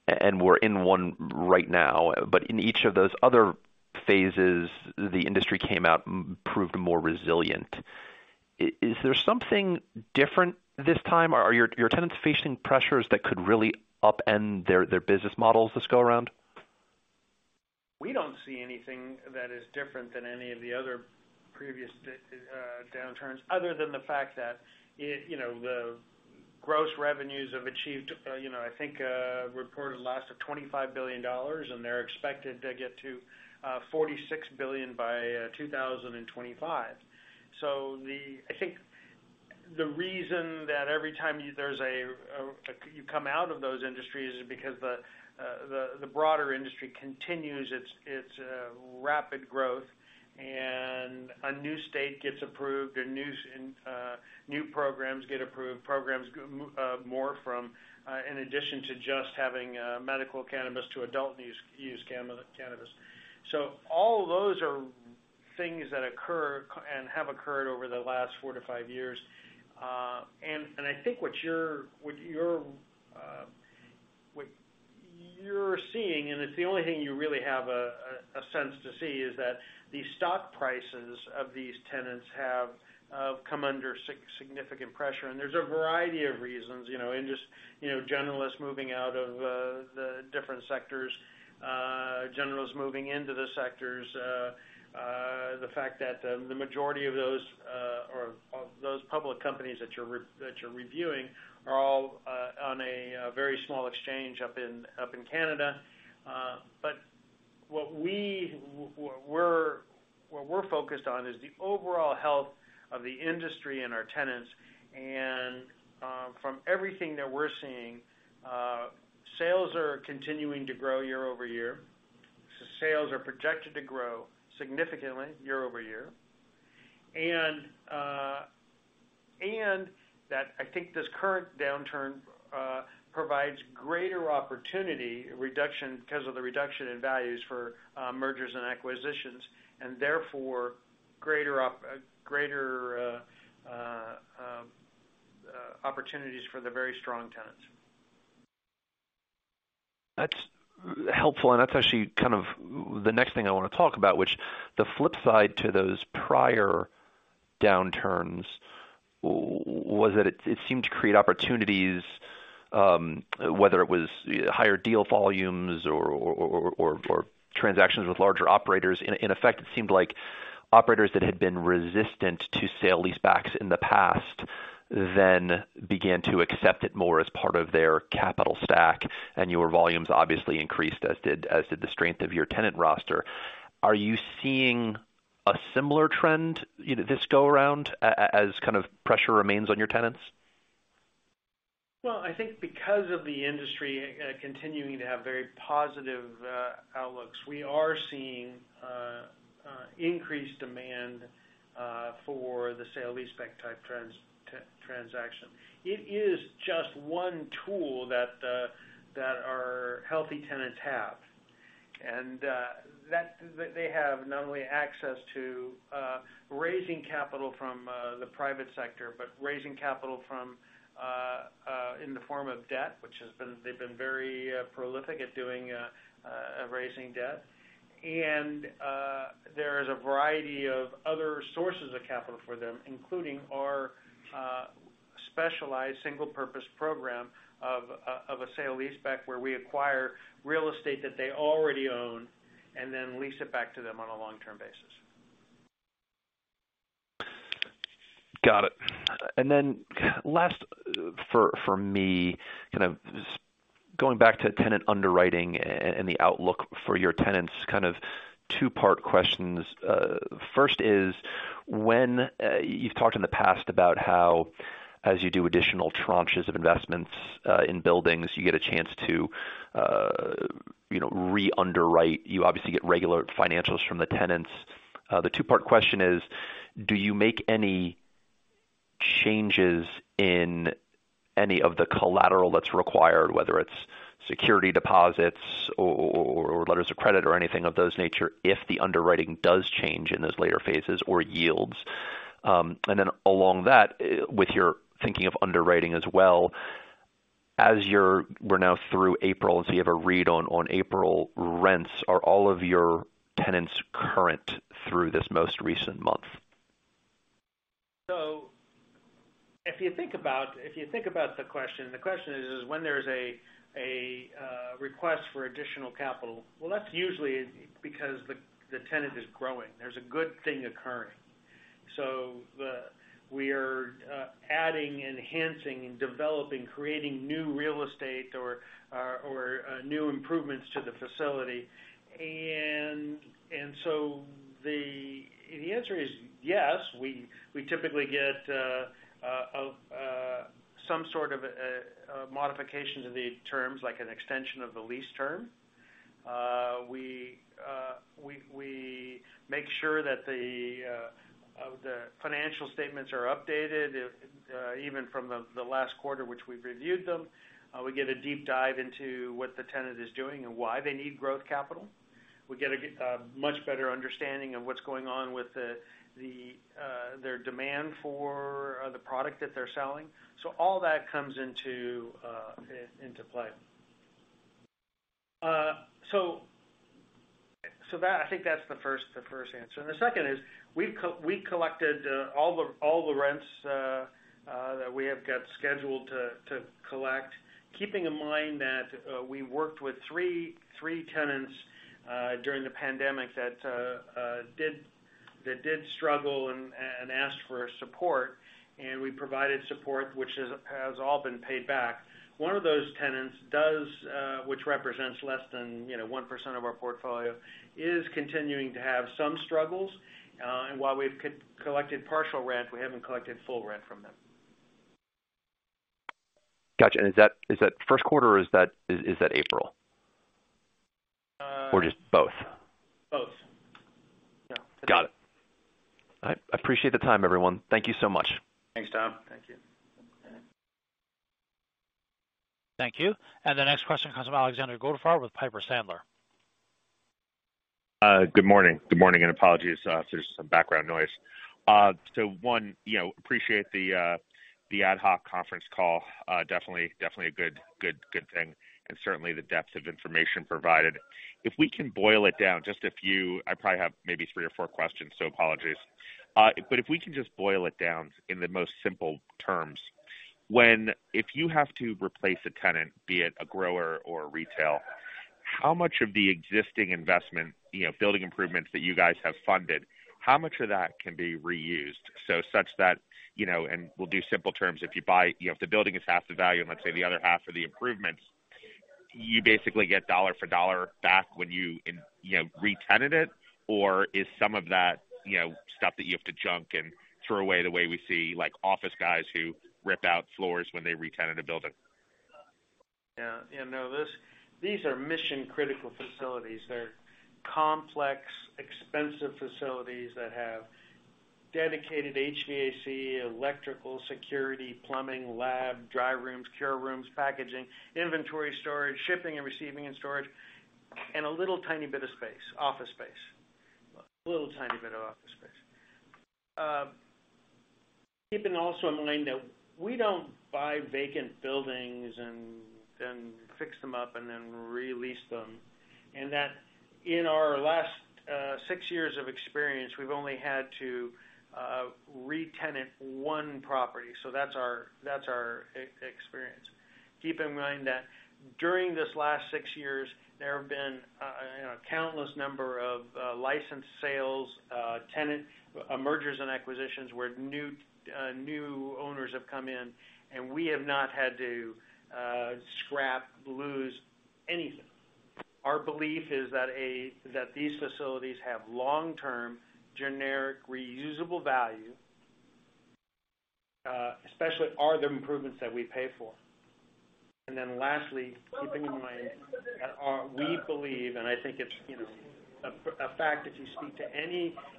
and we're in one right now. In each of those other phases, the industry came out proved more resilient. Is there something different this time? Are your tenants facing pressures that could really upend their business models this go around? We don't see anything that is different than any of the other previous downturns other than the fact that it, you know, the gross revenues have achieved reported last year of $25 billion, and they're expected to get to $46 billion by 2025. I think the reason that every time you come out of those industries is because the broader industry continues its rapid growth and a new state gets approved and new programs get approved, programs go from, in addition to just having medical cannabis to adult use cannabis. All of those are things that occur and have occurred over the last four to five years. I think what you're seeing, and it's the only thing you really have a sense to see, is that the stock prices of these tenants have come under significant pressure. There's a variety of reasons, you know, in just, you know, generalists moving out of the different sectors, generalists moving into the sectors, the fact that the majority of those or of those public companies that you're reviewing are all on a very small exchange up in Canada. What we're focused on is the overall health of the industry and our tenants. From everything that we're seeing, sales are continuing to grow year over year. Sales are projected to grow significantly year over year. I think this current downturn provides greater opportunities because of the reduction in values for mergers and acquisitions, greater opportunities for the very strong tenants. That's helpful. That's actually kind of the next thing I wanna talk about, which the flip side to those prior downturns was that it seemed to create opportunities, whether it was higher deal volumes or transactions with larger operators. In effect, it seemed like operators that had been resistant to sale-leasebacks in the past then began to accept it more as part of their capital stack, and your volumes obviously increased, as did the strength of your tenant roster. Are you seeing a similar trend, you know, this go around as kind of pressure remains on your tenants? Well, I think because of the industry continuing to have very positive outlooks, we are seeing increased demand for the sale-leaseback-type transaction. It is just one tool that our healthy tenants have. They have not only access to raising capital from the private sector, but raising capital in the form of debt, which they've been very prolific at doing, raising debt. There is a variety of other sources of capital for them, including our specialized single-purpose program of a sale-leaseback, where we acquire real estate that they already own and then lease it back to them on a long-term basis. Got it. Last for me, kind of going back to tenant underwriting and the outlook for your tenants, kind of two-part questions. First is, when you've talked in the past about how, as you do additional tranches of investments in buildings, you get a chance to, you know, re-underwrite. You obviously get regular financials from the tenants. The two-part question is, do you make any changes in any of the collateral that's required, whether it's security deposits or letters of credit or anything of that nature, if the underwriting does change in those later phases or yields? And then along that, with your thinking of underwriting as well, as we're now through April, so you have a read on April rents. Are all of your tenants current through this most recent month? If you think about the question, the question is when there's a request for additional capital. That's usually because the tenant is growing. There's a good thing occurring. We are adding, enhancing, and developing, creating new real estate or new improvements to the facility. The answer is yes. We typically get some sort of modification to the terms, like an extension of the lease term. We make sure that the financial statements are updated even from the last quarter, which we've reviewed them. We get a deep dive into what the tenant is doing and why they need growth capital. We get a much better understanding of what's going on with their demand for the product that they're selling. All that comes into play. I think that's the first answer. The second is, we collected all the rents that we have got scheduled to collect, keeping in mind that we worked with three tenants during the pandemic that did struggle and asked for support, and we provided support, which has all been paid back. One of those tenants, which represents less than, you know, 1% of our portfolio, is continuing to have some struggles. While we've collected partial rent, we haven't collected full rent from them. Got you. Is that first quarter, or is that April? Or just both? Both. Yeah. Got it. I appreciate the time, everyone. Thank you so much. Thanks, Tom. Thank you. Thank you. The next question comes from Alexander Goldfarb with Piper Sandler. Good morning. Good morning, and apologies if there's some background noise. One, you know, appreciate the ad hoc conference call. Definitely a good thing and certainly the depth of information provided. If we can boil it down just a few. I probably have maybe three or four questions, apologies. If we can just boil it down in the most simple terms, if you have to replace a tenant, be it a grower or retail, how much of the existing investment, you know, building improvements that you guys have funded, how much of that can be reused? Such that, you know, and we'll do simple terms. If the building is half the value and let's say the other half are the improvements, you basically get dollar for dollar back when you know, retenant it. Or is some of that, you know, stuff that you have to junk and throw away the way we see, like office guys who rip out floors when they retenant a building? Yeah. Yeah, no, these are mission-critical facilities. They're complex, expensive facilities that have dedicated HVAC, electrical, security, plumbing, lab, dry rooms, cure rooms, packaging, inventory storage, shipping and receiving and storage. A little tiny bit of space, office space. A little tiny bit of office space. Keeping also in mind that we don't buy vacant buildings and fix them up and then re-lease them, and that in our last six years of experience, we've only had to re-tenant one property. So that's our experience. Keep in mind that during this last six years, there have been, you know, countless number of licensed sales, tenant mergers and acquisitions, where new owners have come in, and we have not had to scrap, lose anything. Our belief is that these facilities have long-term generic reusable value, especially are the improvements that we pay for. Then lastly, keeping in mind that we believe, and I think it's, you know, a fact, if you speak to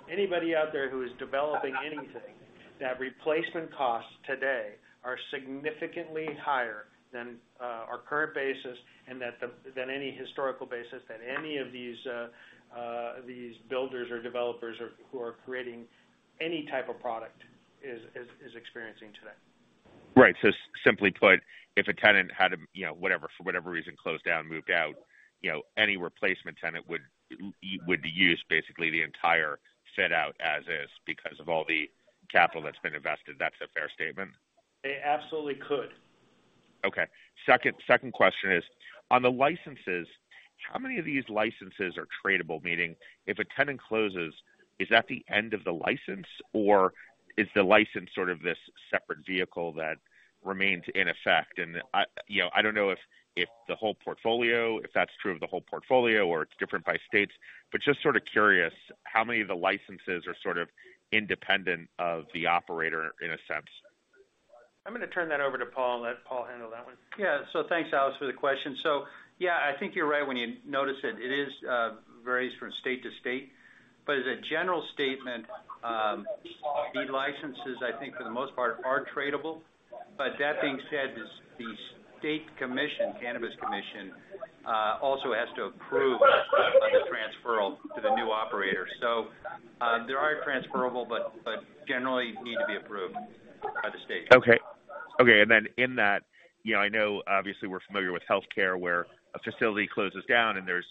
anybody out there who is developing anything, that replacement costs today are significantly higher than our current basis and than any historical basis that any of these builders or developers who are creating any type of product is experiencing today. Right. Simply put, if a tenant had to, you know, whatever, for whatever reason, closed down, moved out, you know, any replacement tenant would use basically the entire fit out as is because of all the capital that's been invested. That's a fair statement? They absolutely could. Okay. Second question is, on the licenses, how many of these licenses are tradable? Meaning, if a tenant closes, is that the end of the license, or is the license sort of this separate vehicle that remains in effect? You know, I don't know if the whole portfolio, if that's true of the whole portfolio or it's different by states, but just sort of curious how many of the licenses are sort of independent of the operator in a sense. I'm gonna turn that over to Paul and let Paul handle that one. Yeah. Thanks, Alex, for the question. Yeah, I think you're right when you notice it. It varies from state to state. But as a general statement, the licenses, I think for the most part are tradable. But that being said, the state commission, cannabis commission, also has to approve the transferal to the new operator. They are transferable, but generally need to be approved by the state. Okay. In that, you know, I know obviously we're familiar with healthcare where a facility closes down and there's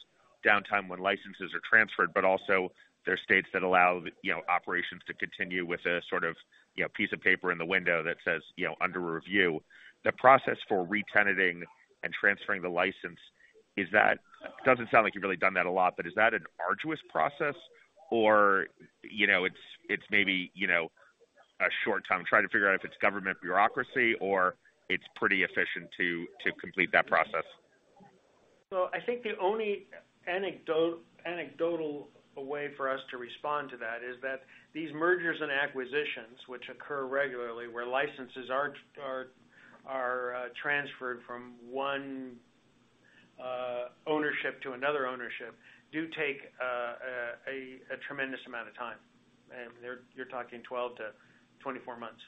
downtime when licenses are transferred, but also there are states that allow, you know, operations to continue with a sort of, you know, piece of paper in the window that says, you know, under review. The process for re-tenanting and transferring the license is that. Doesn't sound like you've really done that a lot, but is that an arduous process or, you know, it's maybe, you know, a short time, try to figure out if it's government bureaucracy or it's pretty efficient to complete that process. I think the only anecdotal way for us to respond to that is that these mergers and acquisitions which occur regularly where licenses are transferred from one ownership to another ownership do take a tremendous amount of time. You're talking 12-24 months.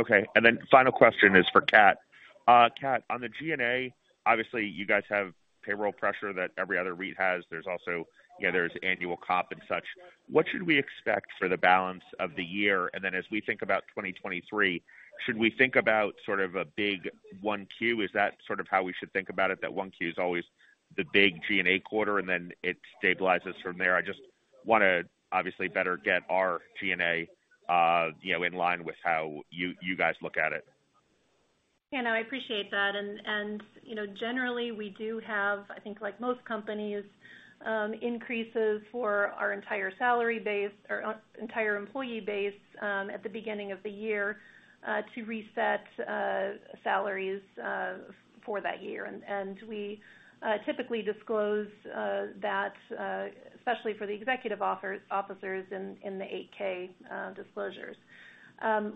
Okay. Final question is for Cat. Cat, on the G&A, obviously you guys have payroll pressure that every other REIT has. There's also, you know, there's annual comp and such. What should we expect for the balance of the year? As we think about 2023, should we think about sort of a big Q1? Is that sort of how we should think about it, that Q1 is always the big G&A quarter and then it stabilizes from there? I just wanna obviously better get our G&A, you know, in line with how you guys look at it. Yeah, no, I appreciate that. You know, generally we do have, I think like most companies, increases for our entire salary base or our entire employee base at the beginning of the year to reset salaries for that year. We typically disclose that, especially for the executive officers in the 8-K disclosures.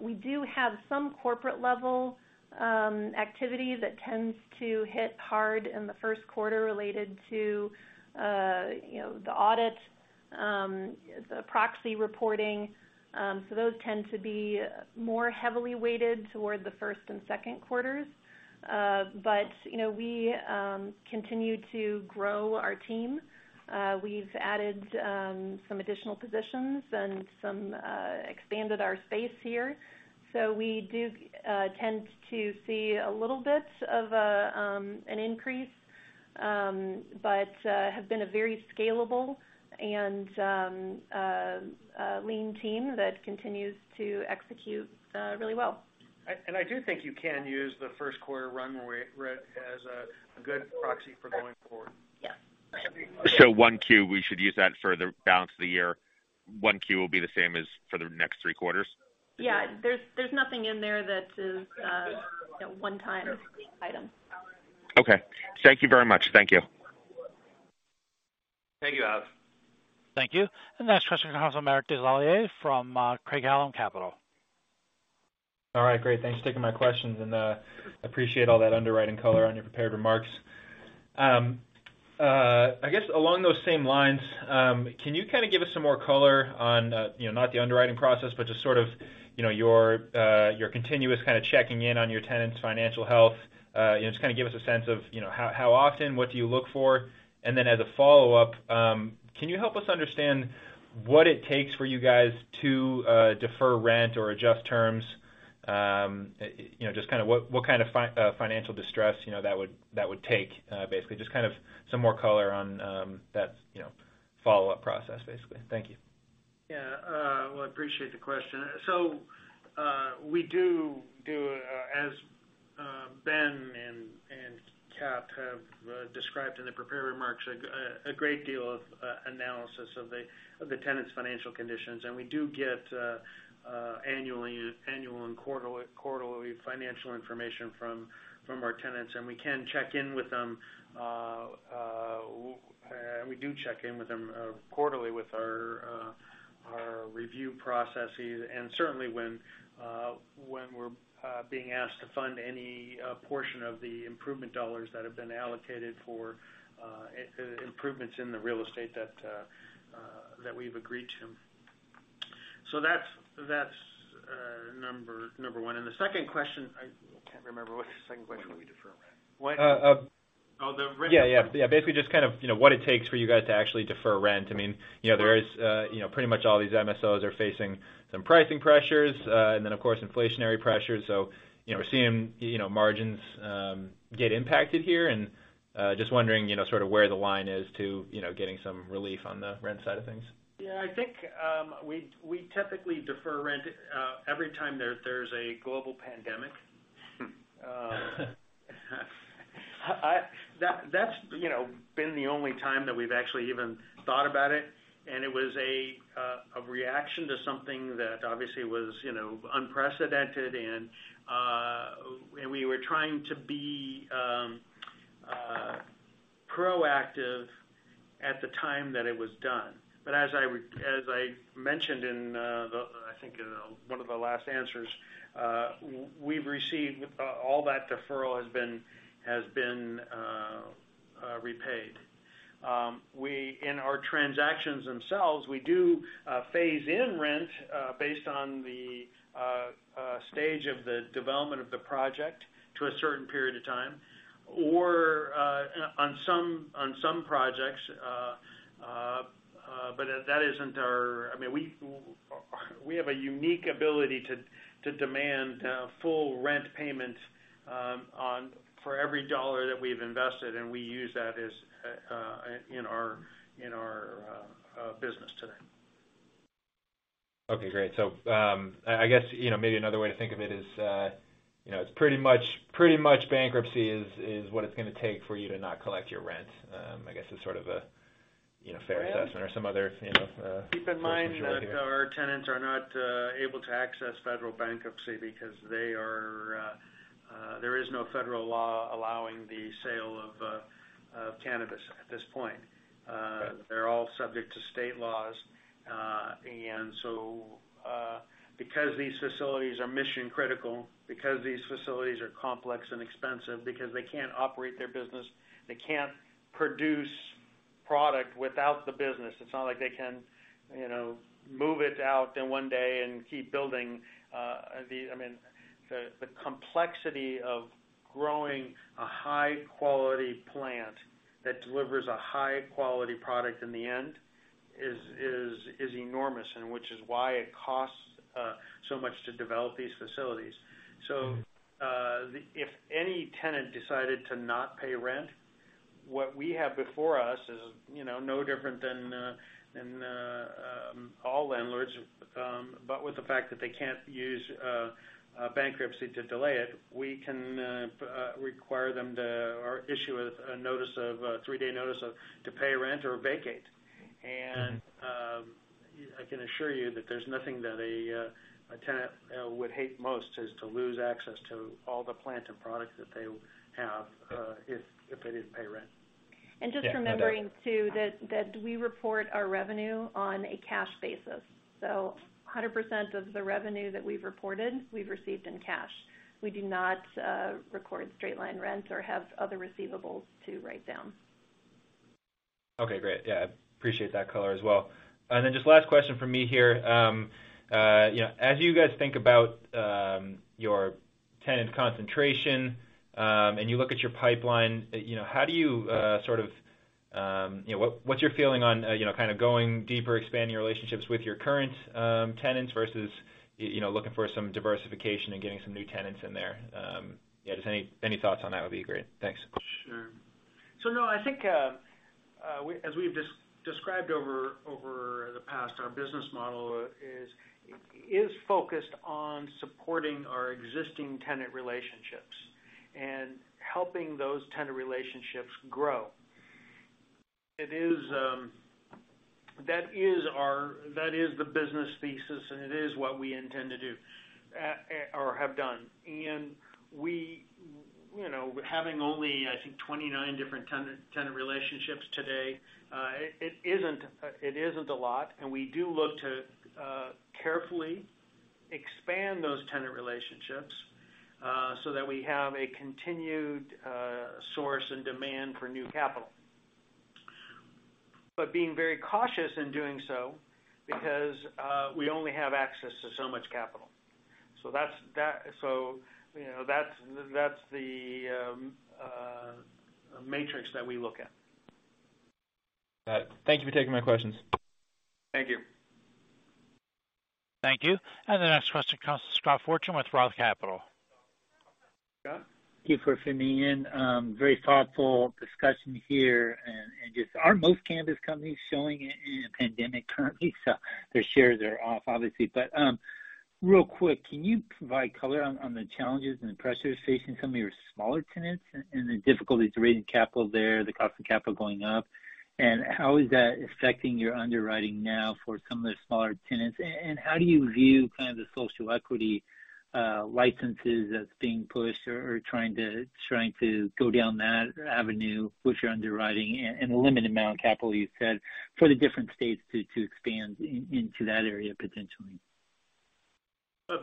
We do have some corporate level activity that tends to hit hard in the first quarter related to, you know, the audit, the proxy reporting. Those tend to be more heavily weighted toward the first and second quarters. You know, we continue to grow our team. We've added some additional positions and some expanded our space here. We do tend to see a little bit of an increase, but have been a very scalable and lean team that continues to execute really well. I do think you can use the first quarter run rate as a good proxy for going forward. Yes. 1Q, we should use that for the balance of the year. 1Q will be the same as for the next 3 quarters? Yeah. There's nothing in there that is, you know, one time item. Okay. Thank you very much. Thank you. Thank you, Alex. Thank you. The next question comes from Eric Des Lauriers from Craig-Hallum Capital. All right, great. Thanks for taking my questions, and, appreciate all that underwriting color on your prepared remarks. I guess along those same lines, can you kinda give us some more color on, you know, not the underwriting process, but just sort of, you know, your continuous kinda checking in on your tenants' financial health? You know, just kinda give us a sense of, you know, how often, what do you look for? Then as a follow-up, can you help us understand what it takes for you guys to, defer rent or adjust terms, you know, just kind of what kind of financial distress, you know, that would take, basically. Just kind of some more color on, that, you know, follow-up process, basically. Thank you. Yeah. Well, I appreciate the question. We do as Ben and Cat have described in the prepared remarks, a great deal of analysis of the tenants' financial conditions. We do get annual and quarterly financial information from our tenants, and we can check in with them, and we do check in with them quarterly with our review processes and certainly when we're being asked to fund any portion of the improvement dollars that have been allocated for improvements in the real estate that we've agreed to. That's number one. The second question, I can't remember, what's the second question? Yeah, basically just kind of, you know, what it takes for you guys to actually defer rent. I mean, you know, there is, you know, pretty much all these MSOs are facing some pricing pressures, and then of course inflationary pressures. You know, we're seeing, you know, margins get impacted here. Just wondering, you know, sort of where the line is to, you know, getting some relief on the rent side of things. Yeah. I think we typically defer rent every time there's a global pandemic. That's, you know, been the only time that we've actually even thought about it, and it was a reaction to something that obviously was, you know, unprecedented and we were trying to be proactive at the time that it was done. As I mentioned in the, I think, in one of the last answers, we've received all that deferral has been repaid. In our transactions themselves, we do phase in rent based on the stage of the development of the project to a certain period of time or on some projects, but that isn't our. I mean, we have a unique ability to demand full rent payment for every dollar that we've invested, and we use that as in our business today. Okay, great. I guess, you know, maybe another way to think of it is, you know, it's pretty much bankruptcy is what it's gonna take for you to not collect your rent. I guess is sort of a, you know, fair assessment or some other, you know. Keep in mind that our tenants are not able to access federal bankruptcy because there is no federal law allowing the sale of cannabis at this point. Got it. They're all subject to state laws. Because these facilities are mission-critical, because these facilities are complex and expensive, because they can't operate their business, they can't produce product without the business, it's not like they can, you know, move it out in one day and keep building. I mean, the complexity of growing a high quality plant that delivers a high quality product in the end is enormous, and which is why it costs so much to develop these facilities. If any tenant decided to not pay rent, what we have before us is, you know, no different than all landlords, but with the fact that they can't use bankruptcy to delay it. We can require them to or issue a three-day notice to pay rent or vacate. Mm-hmm I can assure you that there's nothing that a tenant would hate most is to lose access to all the plants and products that they have if they didn't pay rent. Yeah. I know. just remembering too that we report our revenue on a cash basis. 100% of the revenue that we've reported, we've received in cash. We do not record straight-line rent or have other receivables to write down. Okay, great. Yeah, appreciate that color as well. Just last question from me here. You know, as you guys think about your tenant concentration and you look at your pipeline, you know, how do you sort of you know, what's your feeling on you know, kind of going deeper, expanding your relationships with your current tenants versus you know, looking for some diversification and getting some new tenants in there? Yeah, just any thoughts on that would be great. Thanks. Sure. So no, I think, as we've described over the past, our business model is focused on supporting our existing tenant relationships and helping those tenant relationships grow. It is, that is our, that is the business thesis, and it is what we intend to do, or have done. We, you know, having only, I think, 29 different tenant relationships today, it isn't a lot. We do look to carefully expand those tenant relationships, so that we have a continued source and demand for new capital. But being very cautious in doing so because we only have access to so much capital. You know, that's the matrix that we look at. All right. Thank you for taking my questions. Thank you. Thank you. The next question comes from Scott Fortune with Roth Capital. Scott? Thank you for fitting me in. Very thoughtful discussion here and just, are most cannabis companies showing in a pandemic currently? Their shares are off, obviously. Real quick, can you provide color on the challenges and the pressures facing some of your smaller tenants and the difficulties raising capital there, the cost of capital going up? How is that affecting your underwriting now for some of the smaller tenants? How do you view kind of the social equity licenses that's being pushed or trying to go down that avenue with your underwriting and the limited amount of capital you said for the different states to expand into that area potentially?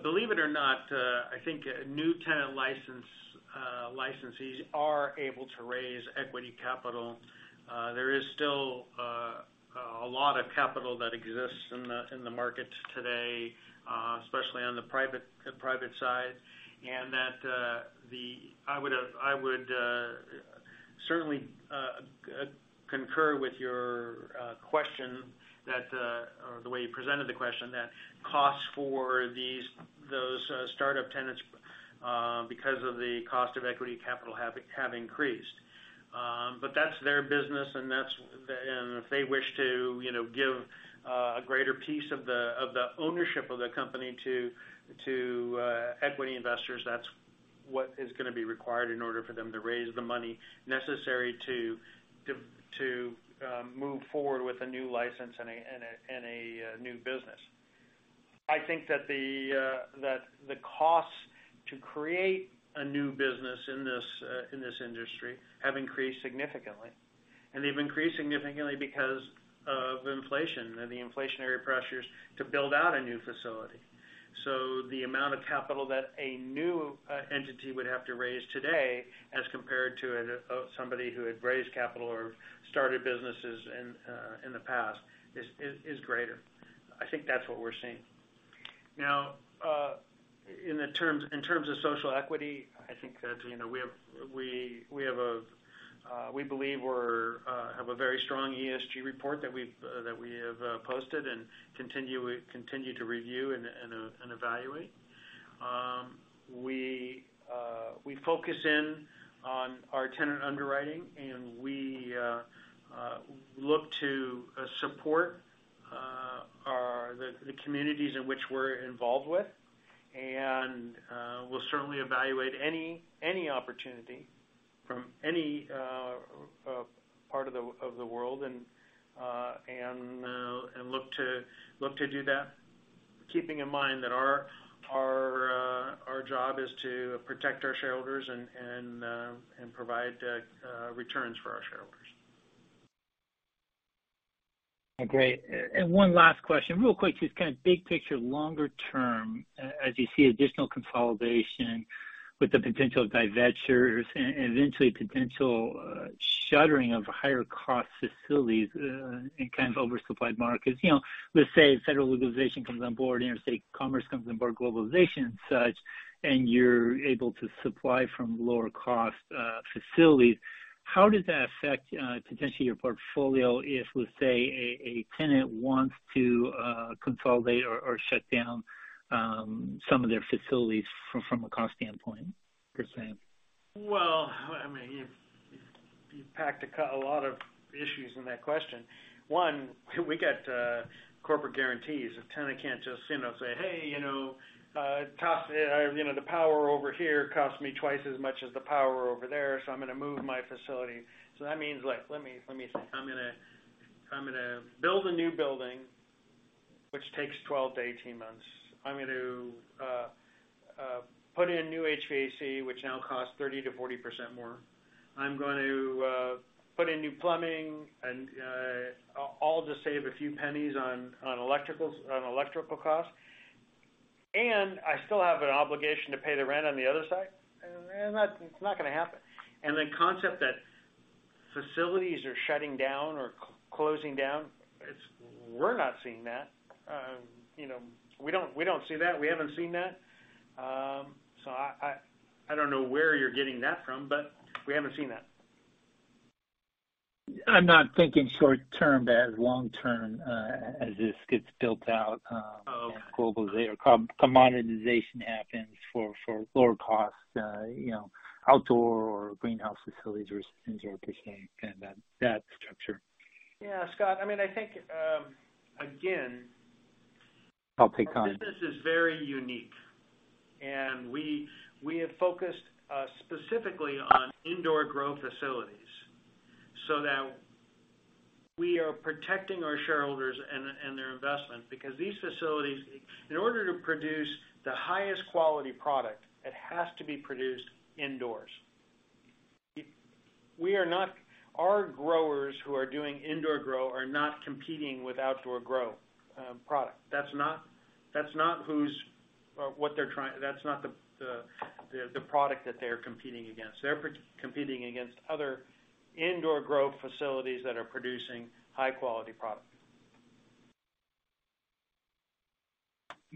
Believe it or not, I think new tenant licensees are able to raise equity capital. There is still a lot of capital that exists in the market today, especially on the private side. I would certainly concur with your question that, or the way you presented the question, that costs for those startup tenants, because of the cost of equity capital have increased. That's their business, and that's. If they wish to, you know, give a greater piece of the ownership of the company to equity investors, that's what is gonna be required in order for them to raise the money necessary to move forward with a new license and a new business. I think that the costs to create a new business in this industry have increased significantly. They've increased significantly because of inflation and the inflationary pressures to build out a new facility. The amount of capital that a new entity would have to raise today as compared to somebody who had raised capital or started businesses in the past is greater. I think that's what we're seeing. Now, in terms of social equity, I think that, you know, we believe we have a very strong ESG report that we have posted and continue to review and evaluate. We focus in on our tenant underwriting, and we look to support the communities in which we're involved with. We'll certainly evaluate any opportunity from any part of the world and look to do that, keeping in mind that our job is to protect our shareholders and provide returns for our shareholders. Okay. One last question. Real quick, just kind of big picture, longer term, as you see additional consolidation with the potential of divestitures and eventually potential shuttering of higher cost facilities in kind of oversupplied markets. You know, let's say federal legalization comes on board, interstate commerce comes on board, globalization and such, and you're able to supply from lower cost facilities. How does that affect potentially your portfolio if, let's say, a tenant wants to consolidate or shut down some of their facilities from a cost standpoint, for example? I mean, you've packed a lot of issues in that question. One, we get corporate guarantees. A tenant can't just, you know, say, "Hey, you know, cost, you know, the power over here costs me twice as much as the power over there, so I'm gonna move my facility." That means like, let me think. I'm gonna build a new building, which takes 12-18 months. I'm going to put in new HVAC, which now costs 30%-40% more. I'm going to put in new plumbing and all to save a few pennies on electricals, on electrical costs. I still have an obligation to pay the rent on the other side. That's not gonna happen. The concept that facilities are shutting down or closing down, it's We're not seeing that. You know, we don't see that. We haven't seen that. I don't know where you're getting that from, but we haven't seen that. I'm not thinking short term, but as long term, as this gets built out, commoditization happens for lower costs, you know, outdoor or greenhouse facilities or things of this nature, kind of that structure. Yeah, Scott, I mean, again, our business is very unique, and we have focused specifically on indoor grow facilities so that we are protecting our shareholders and their investment because these facilities, in order to produce the highest quality product, it has to be produced indoors. Our growers who are doing indoor grow are not competing with outdoor grow product. That's not who's or what they're trying. That's not the product that they are competing against. They're competing against other indoor grow facilities that are producing high quality product.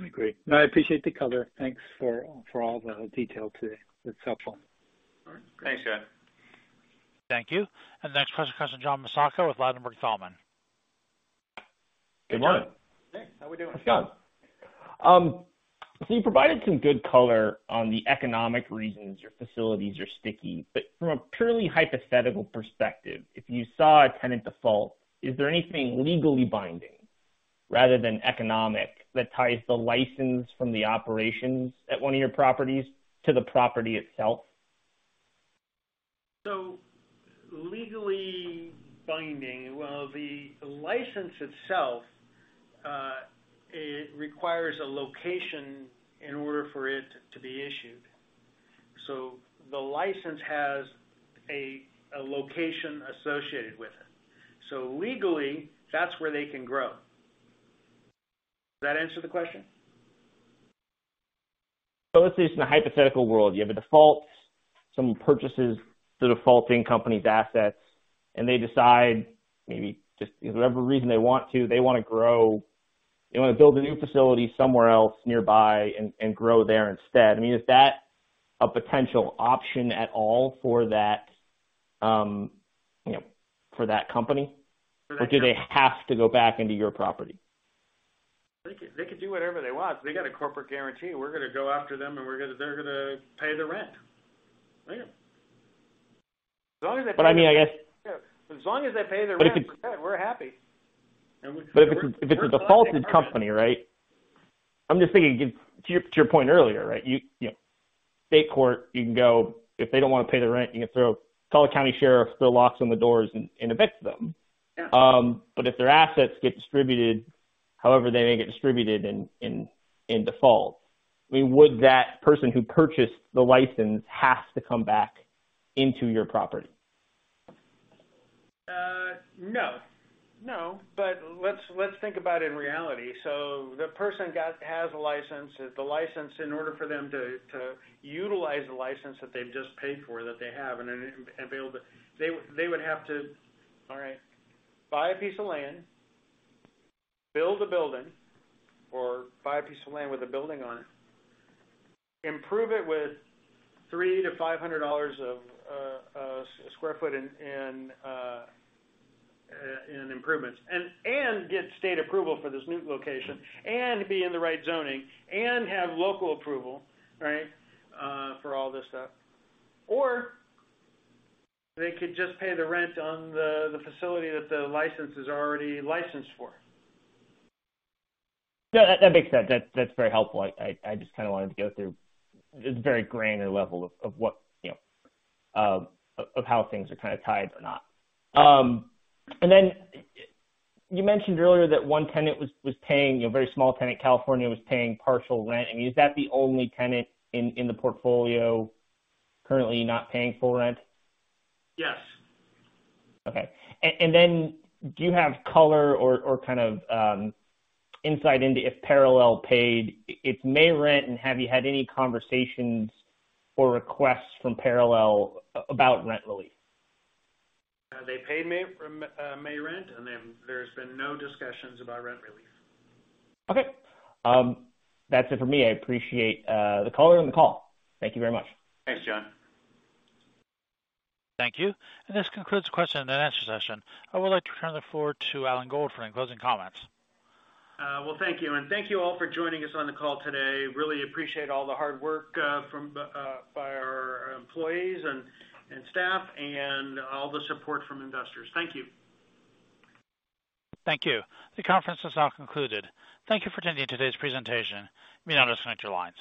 I agree. No, I appreciate the color. Thanks for all the detail today. It's helpful. All right. Thanks, John. Thank you. Next question comes John Massocca with Ladenburg Thalmann. Good morning. Hey, how we doing? It's good. So you provided some good color on the economic reasons your facilities are sticky. From a purely hypothetical perspective, if you saw a tenant default, is there anything legally binding rather than economic, that ties the license from the operations at one of your properties to the property itself? Legally binding. Well, the license itself, it requires a location in order for it to be issued. The license has a location associated with it. Legally, that's where they can grow. Does that answer the question? Let's say it's in a hypothetical world. You have a default, someone purchases the defaulting company's assets, and they decide maybe just whatever reason they want to, they wanna grow. They wanna build a new facility somewhere else nearby and grow there instead. I mean, is that a potential option at all for that, you know, for that company? Or do they have to go back into your property? They could do whatever they want. They got a corporate guarantee. We're gonna go after them, and they're gonna pay the rent. Yeah. As long as they pay. I mean, I guess. As long as they pay the rent, we're happy. If it's a defaulted company, right? I'm just thinking, given to your point earlier, right? You know, state court, you can go. If they don't wanna pay the rent, you can call the county sheriff, throw locks on the doors and evict them. Yeah. If their assets get distributed, however they may get distributed in default, I mean, would that person who purchased the license have to come back into your property? No. No. Let's think about in reality. The person has a license. The license, in order for them to utilize the license that they've just paid for, that they have and be able to. They would have to, all right, buy a piece of land, build a building, or buy a piece of land with a building on it, improve it with $300-$500 per sq ft in improvements, and get state approval for this new location, and be in the right zoning and have local approval, right, for all this stuff. They could just pay the rent on the facility that the license is already licensed for. No, that makes sense. That's very helpful. I just kinda wanted to go through this very granular level of what, you know, of how things are kinda tied or not. Then you mentioned earlier that one tenant was paying, a very small tenant, California, was paying partial rent. I mean, is that the only tenant in the portfolio currently not paying full rent? Yes. Do you have color or kind of insight into if Parallel paid its May rent, and have you had any conversations or requests from Parallel about rent relief? They paid May rent, and then there's been no discussions about rent relief. Okay. That's it for me. I appreciate the color and the call. Thank you very much. Thanks, John. Thank you. This concludes the question and answer session. I would like to turn the floor to Alan Gold for any closing comments. Well, thank you. Thank you all for joining us on the call today. Really appreciate all the hard work by our employees and staff and all the support from investors. Thank you. Thank you. The conference is now concluded. Thank you for attending today's presentation. You may now disconnect your lines.